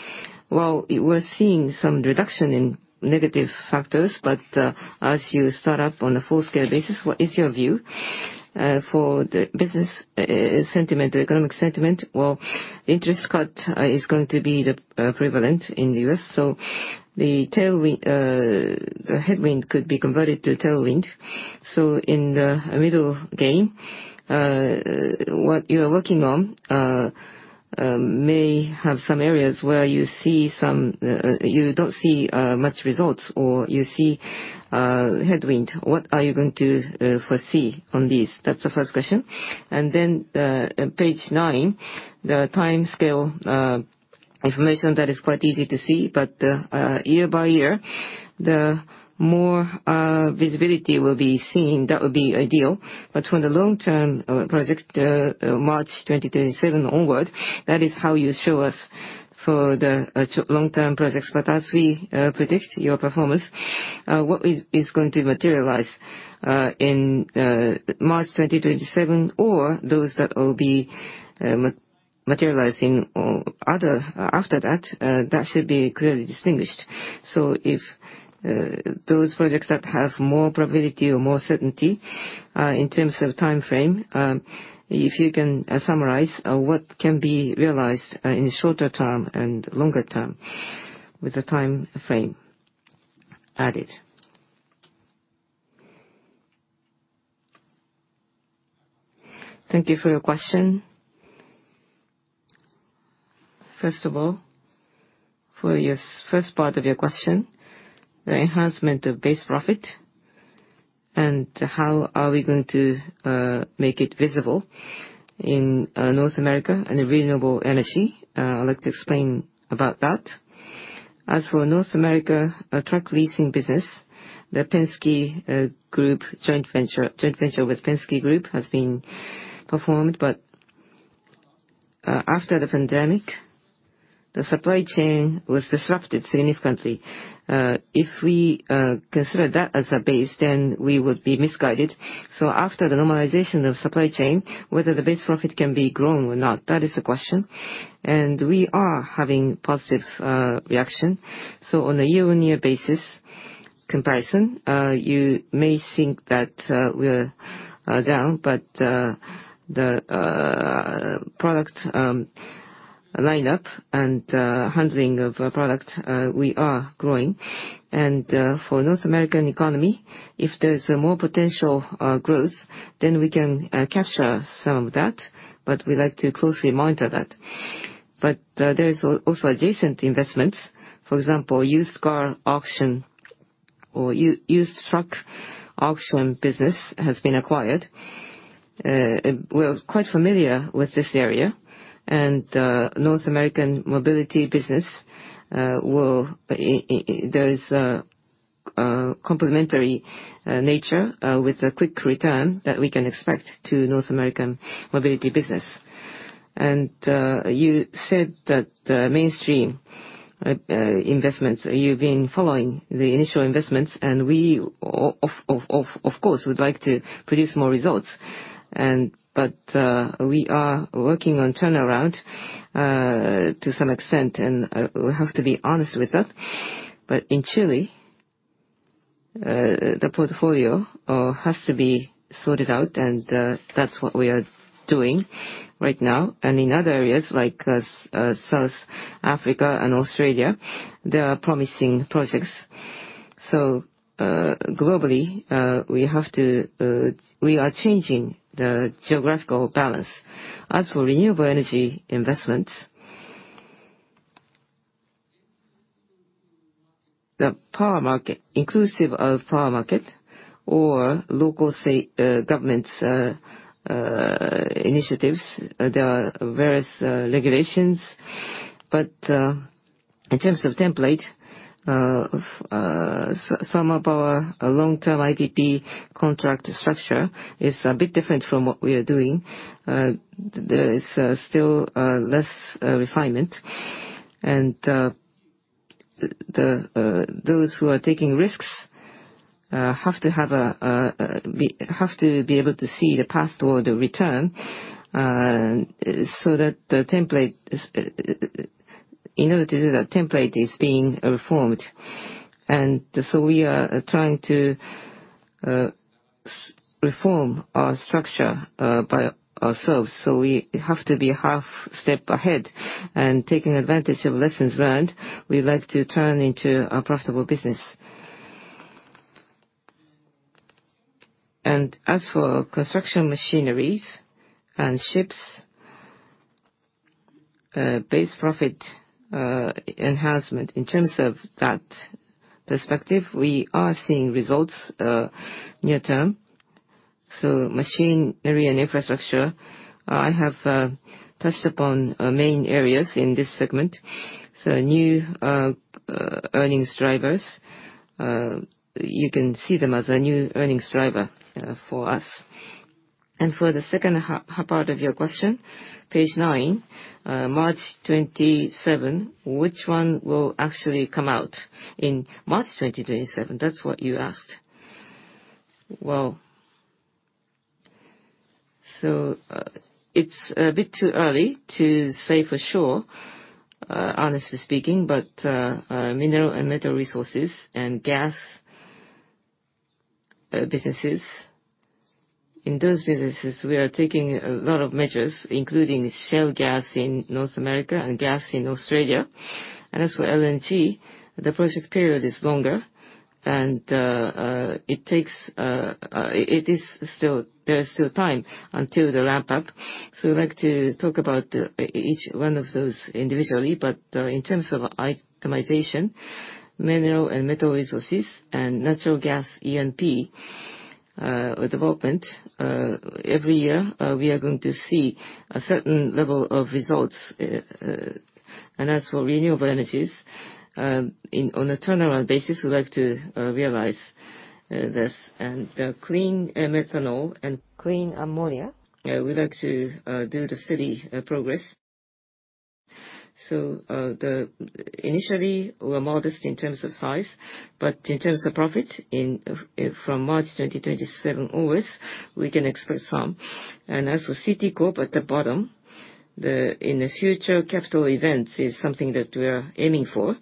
while we're seeing some reduction in negative factors, but as you start up on a full-scale basis, what is your view for the business sentiment, economic sentiment, while interest cut is going to be the prevalent in the U.S., so the headwind could be converted to tailwind. In the middle game, what you are working on may have some areas where you don't see much results or you see headwind. What are you going to foresee on this? That's the first question. Then page nine, the timescale information, that is quite easy to see, but year by year, the more visibility will be seen. That would be ideal. For the long-term project, March 2027 onward, that is how you show us for the long-term projects. As we predict your performance, what is going to materialize in March 2027 or those that will be materializing after that should be clearly distinguished. If those projects that have more probability or more certainty, in terms of time frame, if you can summarize what can be realized in shorter term and longer term with the time frame added. Thank you for your question. First of all, for your first part of your question, the enhancement of base profit and how are we going to make it visible in North America and renewable energy? I'd like to explain about that. As for North America truck leasing business, the Penske Group joint venture with Penske Group has been performed, but after the pandemic, the supply chain was disrupted significantly. If we consider that as a base, then we would be misguided. After the normalization of supply chain, whether the base profit can be grown or not, that is the question. We are having positive reaction. On a year-on-year basis comparison, you may think that we're down, but the product lineup and handling of product, we are growing. For North American economy, if there's more potential growth, then we can capture some of that, but we like to closely monitor that. There is also adjacent investments. For example, used car auction or used truck auction business has been acquired. We're quite familiar with this area, and North American mobility business, there is a complimentary nature with a quick return that we can expect to North American mobility business. You said that mainstream investments, you've been following the initial investments, and we of course, would like to produce more results. We are working on turnaround to some extent, and we have to be honest with that. In Chile, the portfolio has to be sorted out, and that's what we are doing right now. In other areas like South Africa and Australia, there are promising projects. Globally, we are changing the geographical balance. As for renewable energy investments, the power market inclusive of power market or local state government's initiatives, there are various regulations. In terms of template, some of our long-term IPP contract structure is a bit different from what we are doing. There is still less refinement, and those who are taking risks have to be able to see the path toward the return, so that the template is being reformed. We are trying to reform our structure by ourselves, so we have to be half step ahead. Taking advantage of lessons learned, we'd like to turn into a profitable business. As for construction machineries and ships, base profit enhancement, in terms of that perspective, we are seeing results near term. Machinery & Infrastructure, I have touched upon main areas in this segment. New earnings drivers, you can see them as a new earnings driver for us. For the second part of your question, page nine, March 2027, which one will actually come out in March 2027? That's what you asked. It's a bit too early to say for sure, honestly speaking, but Mineral & Metal Resources and gas businesses, in those businesses we are taking a lot of measures, including shale gas in North America and gas in Australia. As for LNG, the project period is longer, and there is still time until the ramp up. We'd like to talk about each one of those individually, but in terms of itemization, Mineral & Metal Resources and natural gas E&P development, every year we are going to see a certain level of results. As for renewable energies, on a turnaround basis, we'd like to realize this. Clean methanol and clean ammonia, we'd like to do the steady progress. Initially, we're modest in terms of size, but in terms of profit, from March 2027 onwards, we can expect some. As for CT Corp at the bottom, in the future, capital events is something that we are aiming for,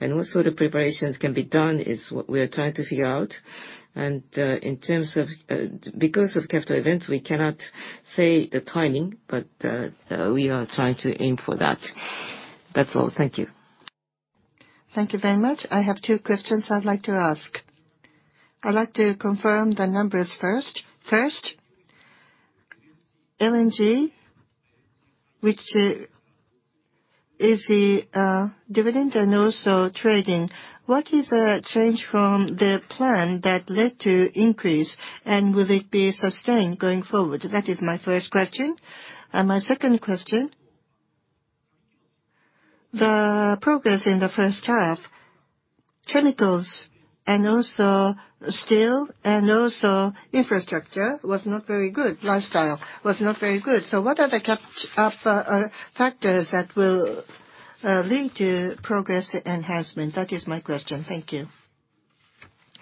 and what sort of preparations can be done is what we are trying to figure out. Because of capital events, we cannot say the timing, but we are trying to aim for that. That's all. Thank you. Thank you very much. I have two questions I'd like to ask. I'd like to confirm the numbers first. First, LNG, which is the dividend and also trading, what is a change from the plan that led to increase, and will it be sustained going forward? That is my first question. My second question, the progress in the first half, Chemicals and also steel and also infrastructure was not very good. Lifestyle was not very good. What are the catch-up factors that will lead to progress enhancement? That is my question. Thank you.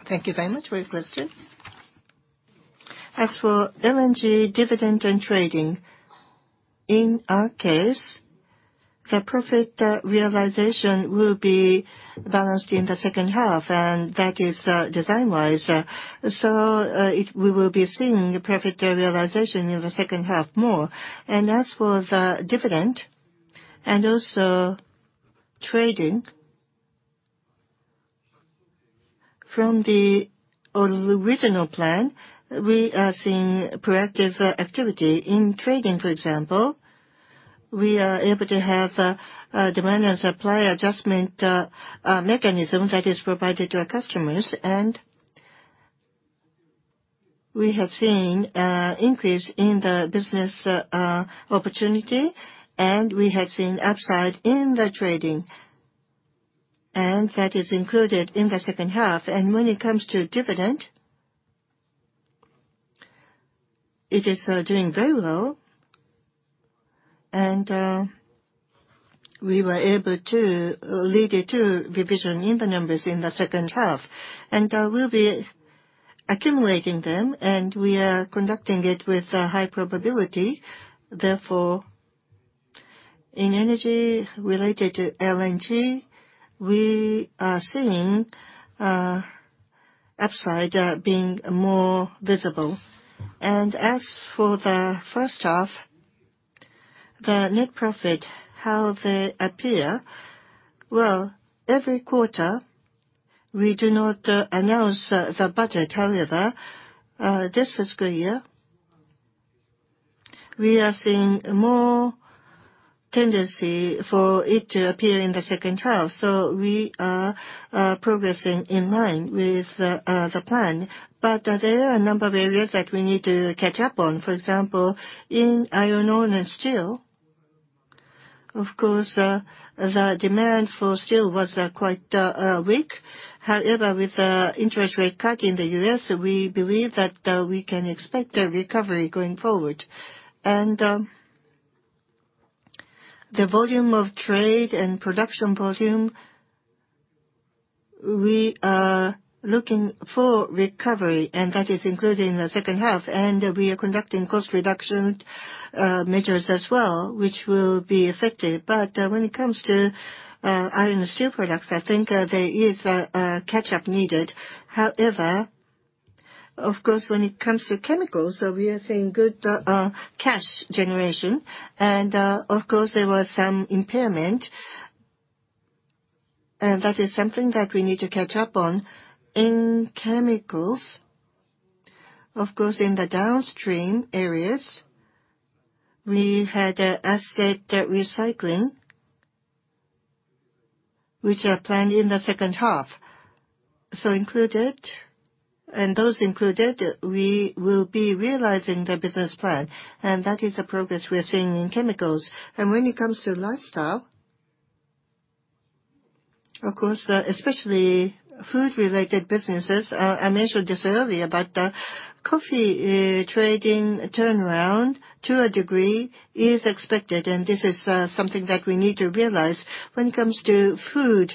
Thank you very much for your question. As for LNG dividend and trading, in our case, the profit realization will be balanced in the second half, that is design-wise. We will be seeing profit realization in the second half more. As for the dividend and also trading from the original plan, we are seeing proactive activity. In trading, for example, we are able to have a demand and supply adjustment mechanism that is provided to our customers. We have seen an increase in the business opportunity, and we have seen upside in the trading. That is included in the second half. When it comes to dividend, it is doing very well. We were able to lead it to revision in the numbers in the second half. We'll be accumulating them, and we are conducting it with a high probability. In Energy related to LNG, we are seeing upside being more visible. As for the first half, the net profit, how they appear, well, every quarter we do not announce the budget. This fiscal year, we are seeing more tendency for it to appear in the second half, so we are progressing in line with the plan. But there are a number of areas that we need to catch up on. For example, in iron ore and steel, of course, the demand for steel was quite weak. With the interest rate cut in the U.S., we believe that we can expect a recovery going forward. The volume of trade and production volume, we are looking for recovery, and that is included in the second half. We are conducting cost reduction measures as well, which will be effective. But when it comes to Iron & Steel Products, I think there is a catch-up needed. Of course, when it comes to Chemicals, we are seeing good cash generation and, of course, there was some impairment, and that is something that we need to catch up on. In Chemicals, of course, in the downstream areas, we had asset recycling, which are planned in the second half. Included, and those included, we will be realizing the business plan, and that is the progress we are seeing in Chemicals. When it comes to Lifestyle, of course, especially food-related businesses, I mentioned this earlier, but coffee trading turnaround to a degree is expected, and this is something that we need to realize. When it comes to food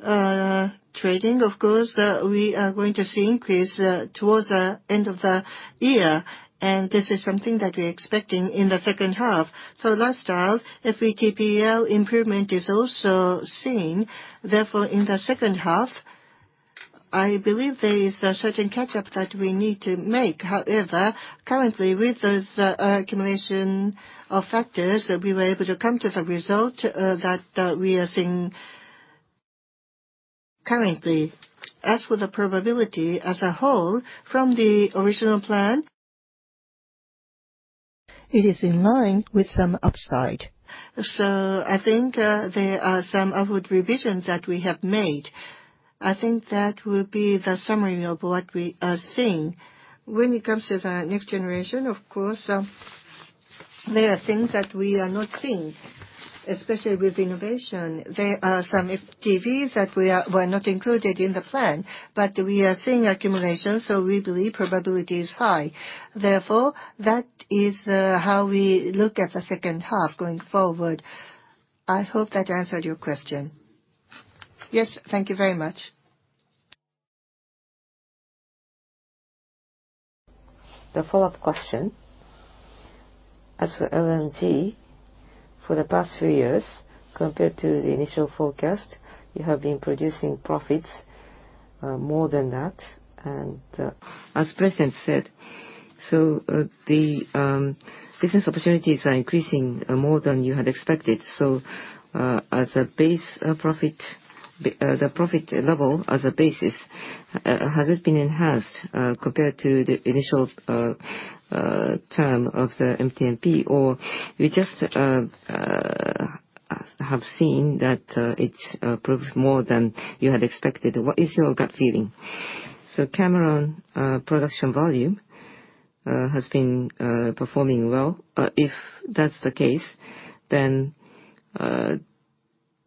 trading, of course, we are going to see increase towards the end of the year, and this is something that we're expecting in the second half. Lifestyle, if we keep EL improvement, is also seen. In the second half, I believe there is a certain catch-up that we need to make. Currently, with those accumulation of factors, we were able to come to the result that we are seeing currently. The probability as a whole, from the original plan, it is in line with some upside. I think there are some upward revisions that we have made. I think that will be the summary of what we are seeing. When it comes to the next generation, of course, there are things that we are not seeing, especially with innovation. There are some FTEs that were not included in the plan. We are seeing accumulation, so we believe probability is high. That is how we look at the second half going forward. I hope that answered your question. Yes, thank you very much. The follow-up question. As for LNG, for the past few years, compared to the initial forecast, you have been producing profits more than that. As President said, the business opportunities are increasing more than you had expected. As a base profit, the profit level as a basis, has it been enhanced compared to the initial term of the MTMP? Or we just have seen that it's proved more than you had expected. What is your gut feeling? Cameron LNG production volume has been performing well. If that's the case, the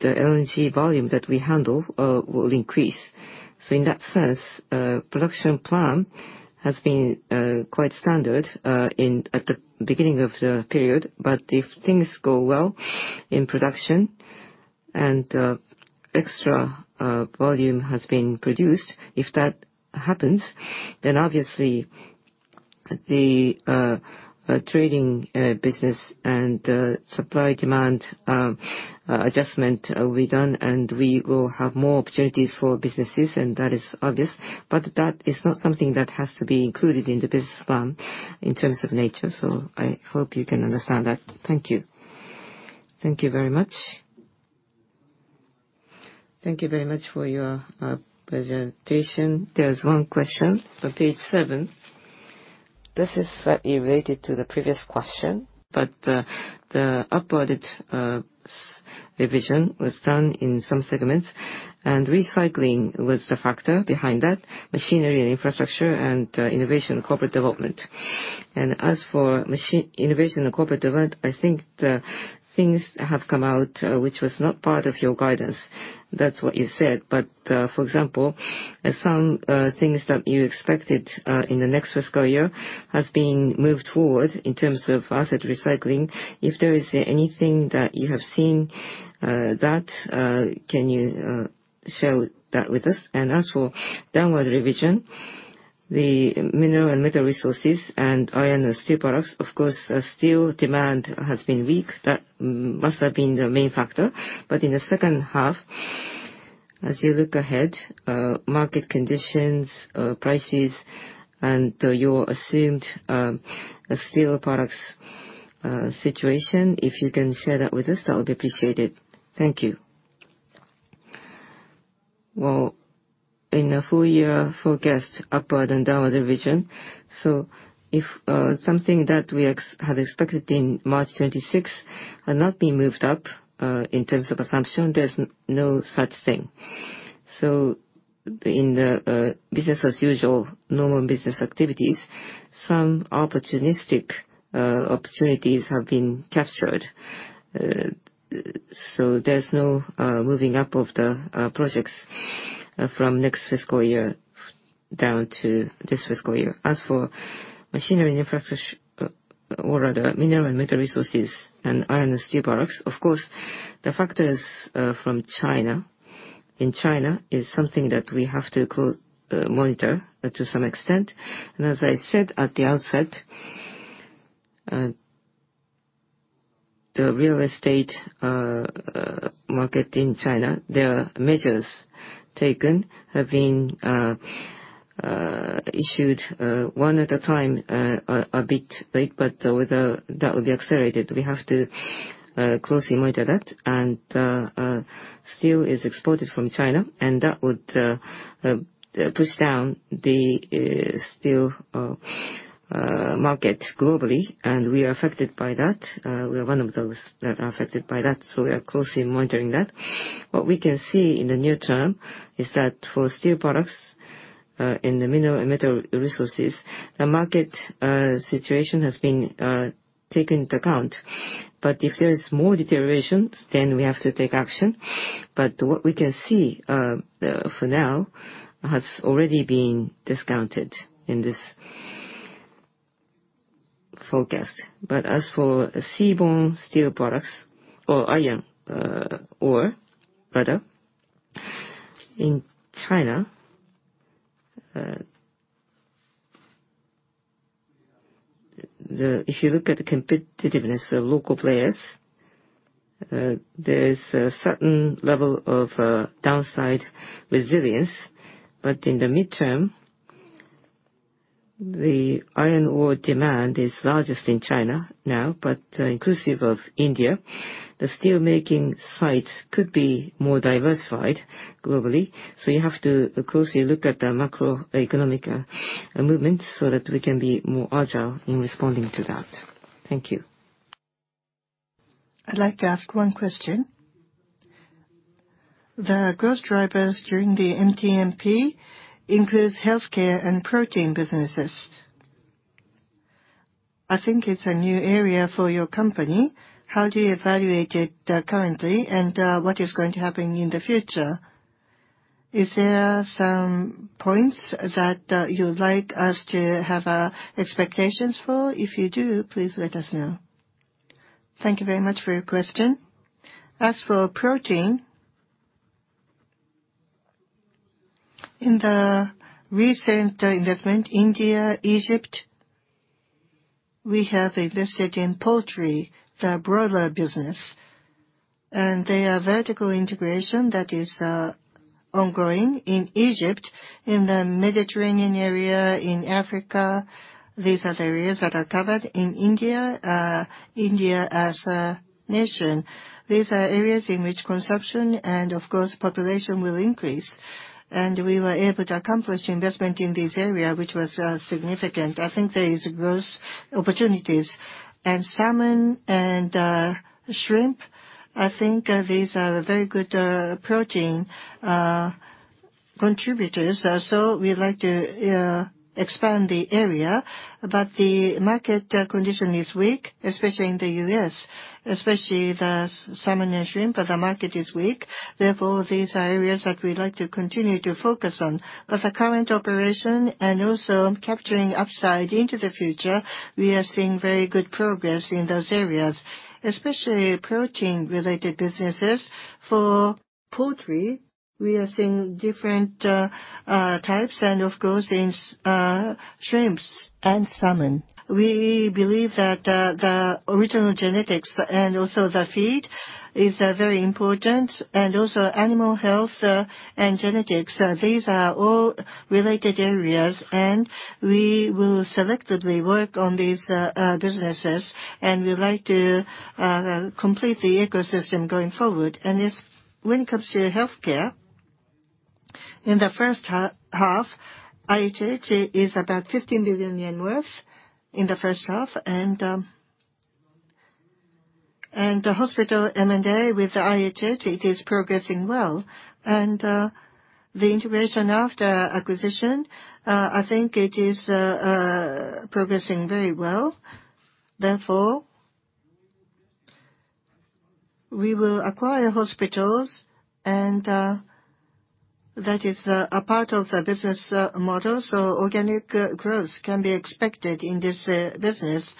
LNG volume that we handle will increase. In that sense, production plan has been quite standard at the beginning of the period. If things go well in production and extra volume has been produced, if that happens, obviously, the trading business and supply-demand adjustment will be done, and we will have more opportunities for businesses, and that is obvious. That is not something that has to be included in the business plan in terms of nature, I hope you can understand that. Thank you. Thank you very much. Thank you very much for your presentation. There's one question on page seven. This is slightly related to the previous question, but the upward-revision was done in some segments, and recycling was the factor behind that. Machinery & Infrastructure and Innovation & Corporate Development. As for Innovation & Corporate Development, I think the things have come out, which was not part of your guidance. That's what you said. For example, some things that you expected in the next fiscal year has been moved forward in terms of asset recycling. If there is anything that you have seen, can you share that with us? As for downward-revision, the Mineral & Metal Resources and Iron & Steel Products, of course, steel demand has been weak. That must have been the main factor. In the second half, as you look ahead, market conditions, prices, and your assumed steel products situation, if you can share that with us, that would be appreciated. Thank you. In the full year forecast, upward- and downward-revision, if something that we had expected in March 2026 had not been moved up, in terms of assumption, there's no such thing. In the business as usual, normal business activities, some opportunistic opportunities have been captured. There's no moving up of the projects from next fiscal year down to this fiscal year. As for Mineral & Metal Resources and Iron & Steel Products, of course, the factors from China. In China is something that we have to monitor to some extent. As I said at the outset, the real estate market in China, there are measures taken, have been issued one at a time, a bit late, whether that will be accelerated, we have to closely monitor that. Steel is exported from China, that would push down the steel market globally, and we are affected by that. We are one of those that are affected by that, we are closely monitoring that. What we can see in the near term is that for steel products in the Mineral & Metal Resources, the market situation has been taken into account. If there is more deterioration, we have to take action. What we can see for now has already been discounted in this forecast. As for seaborne steel products or iron ore, rather, in China, if you look at the competitiveness of local players, there's a certain level of downside resilience. In the midterm, the iron ore demand is largest in China now, inclusive of India. The steelmaking sites could be more diversified globally, you have to closely look at the macroeconomic movement so that we can be more agile in responding to that. Thank you. I'd like to ask one question. The growth drivers during the MTMP includes healthcare and protein businesses. I think it's a new area for your company. How do you evaluate it currently, and what is going to happen in the future? Is there some points that you would like us to have expectations for? If you do, please let us know. Thank you very much for your question. As for protein, in the recent investment, India, Egypt, we have invested in poultry, the broader business. They are vertical integration that is ongoing in Egypt, in the Mediterranean area, in Africa. These are the areas that are covered in India as a nation. These are areas in which consumption and, of course, population will increase. We were able to accomplish investment in this area, which was significant. I think there is growth opportunities. Salmon and shrimp, I think these are very good protein contributors. We'd like to expand the area, the market condition is weak, especially in the U.S., especially the salmon and shrimp, the market is weak. These are areas that we'd like to continue to focus on. The current operation and also capturing upside into the future, we are seeing very good progress in those areas, especially protein-related businesses. For poultry, we are seeing different types and of course, in shrimps and salmon. We believe that the original genetics and also the feed is very important and also animal health and genetics. These are all related areas, we will selectively work on these businesses, we'd like to complete the ecosystem going forward. When it comes to healthcare- In the first half, IHH is about 15 billion yen worth in the first half. The hospital M&A with IHH, it is progressing well. The integration after acquisition, I think it is progressing very well. We will acquire hospitals, that is a part of the business model, organic growth can be expected in this business.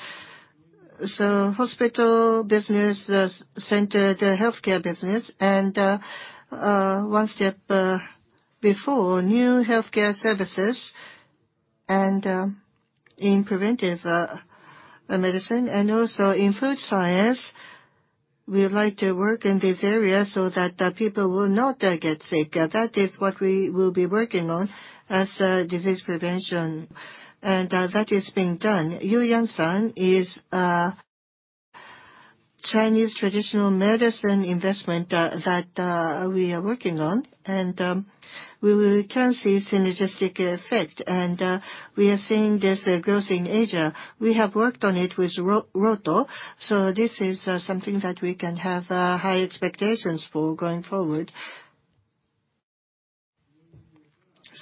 Hospital business centered healthcare business, one step before, new healthcare services in preventive medicine and also in food science. We would like to work in this area so that the people will not get sick. That is what we will be working on as disease prevention. That is being done. Eu Yan Sang is a Chinese traditional medicine investment that we are working on, and we can see synergistic effect. We are seeing this growth in Asia. We have worked on it with Rohto, this is something that we can have high expectations for going forward.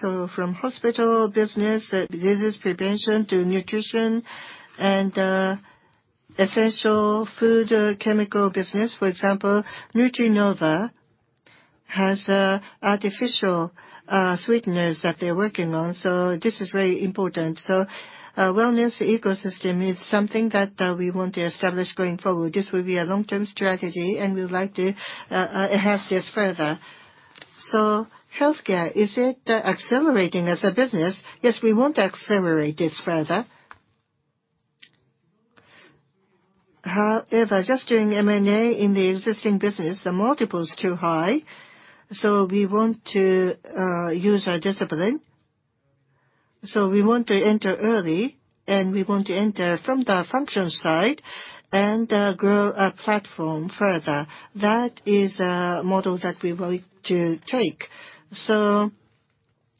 From hospital business, diseases prevention to nutrition and essential food chemical business, for example, Nutrinova has artificial sweeteners that they are working on. This is very important. Wellness ecosystem is something that we want to establish going forward. This will be a long-term strategy, we would like to enhance this further. Healthcare, is it accelerating as a business? Yes, we want to accelerate this further. However, just doing M&A in the existing business, the multiple is too high, we want to use our discipline. We want to enter early, we want to enter from the function side and grow our platform further. That is a model that we would like to take.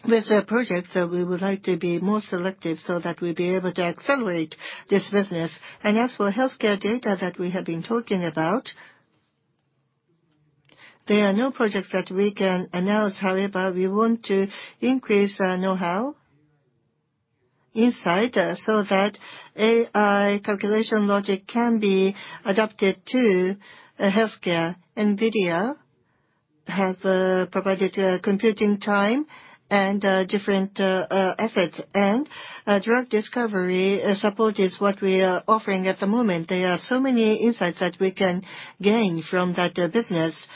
With the projects that we would like to be more selective so that we will be able to accelerate this business. As for healthcare data that we have been talking about, there are no projects that we can announce. However, we want to increase our know-how inside so that AI calculation logic can be adapted to healthcare. NVIDIA have provided computing time and different efforts. Drug discovery support is what we are offering at the moment. There are so many insights that we can gain from that business.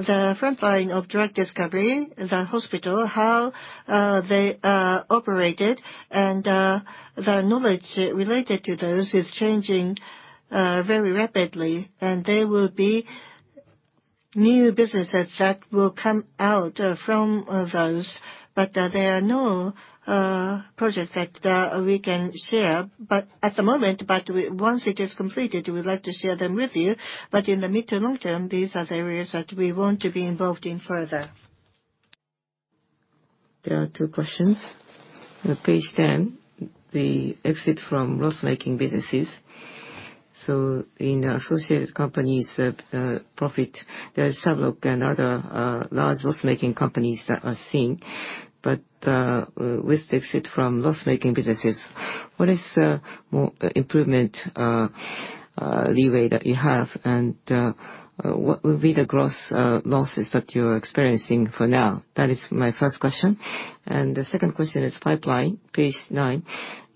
The front line of drug discovery, the hospital, how they are operated, the knowledge related to those is changing very rapidly. There will be new businesses that will come out from those. There are no projects that we can share at the moment, once it is completed, we would like to share them with you. In the mid to long term, these are the areas that we want to be involved in further. There are two questions. Page 10, the exit from loss-making businesses. In associated companies profit, there are several other large loss-making companies that are seen. With exit from loss-making businesses, what is more improvement leeway that you have? What will be the gross losses that you are experiencing for now? That is my first question. The second question is pipeline, page nine.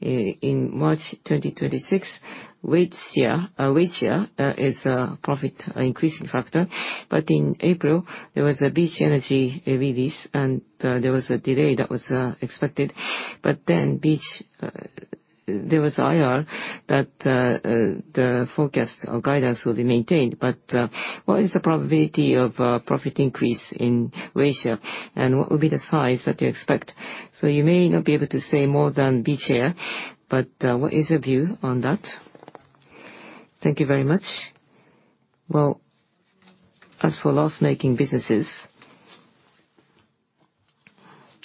In March 2026, Waitsia is a profit increasing factor. In April, there was a Beach Energy release, there was a delay that was expected. Beach, there was IR that the forecast or guidance will be maintained. What is the probability of profit increase in Waitsia, and what will be the size that you expect? You may not be able to say more than Beach here, but what is your view on that? Thank you very much. As for loss-making businesses,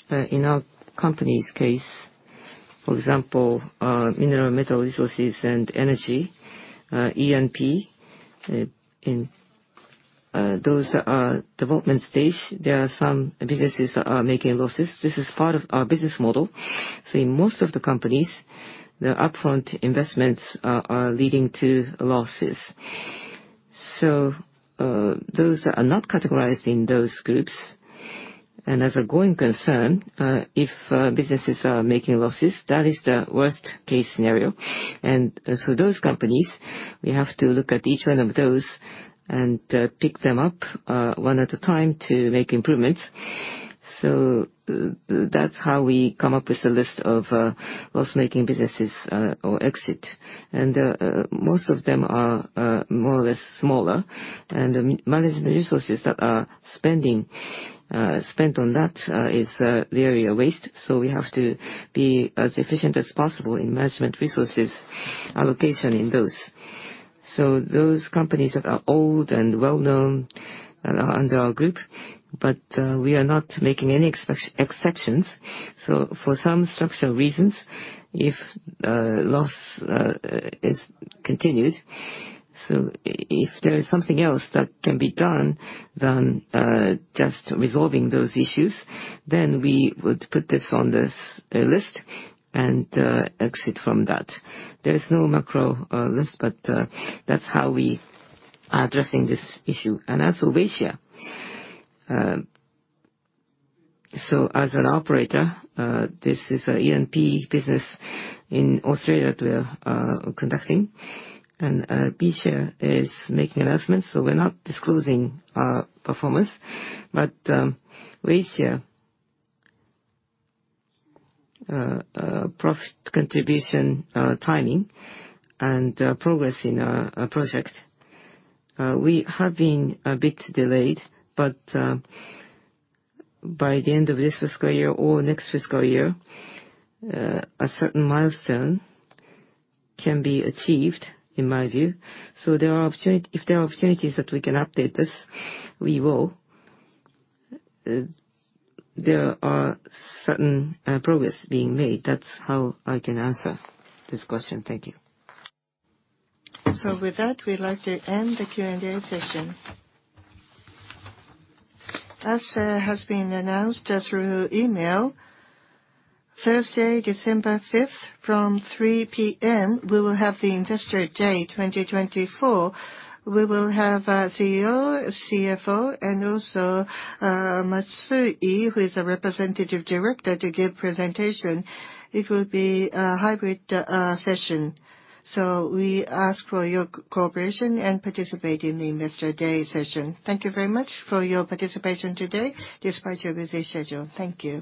in our company's case, for example, Mineral & Metal Resources and Energy, E&P, in those development stage, there are some businesses are making losses. This is part of our business model. In most of the companies, the upfront investments are leading to losses. Those are not categorized in those groups. As a growing concern, if businesses are making losses, that is the worst-case scenario. Those companies, we have to look at each one of those and pick them up one at a time to make improvements. That's how we come up with a list of loss-making businesses or exit. Most of them are more or less smaller, and management resources that are spent on that is really a waste. We have to be as efficient as possible in management resources allocation in those. Those companies that are old and well-known are under our group, we are not making any exceptions. For some structural reasons, if loss is continued, if there is something else that can be done than just resolving those issues, we would put this on this list and exit from that. There is no macro list, that's how we are addressing this issue. As for Waitsia, as an operator, this is an E&P business in Australia that we are conducting, Beach is making investments, we're not disclosing our performance. Waitsia profit contribution timing and progress in our project. We have been a bit delayed, by the end of this fiscal year or next fiscal year, a certain milestone can be achieved, in my view. If there are opportunities that we can update this, we will. There are certain progress being made. That's how I can answer this question. Thank you. With that, we'd like to end the Q&A session. As has been announced through email, Thursday, December 5th, from 3:00 P.M., we will have the Investor Day 2024. We will have CEO, CFO, and also Matsui, who is a representative director, to give presentation. It will be a hybrid session. We ask for your cooperation and participate in the Investor Day session. Thank you very much for your participation today despite your busy schedule. Thank you.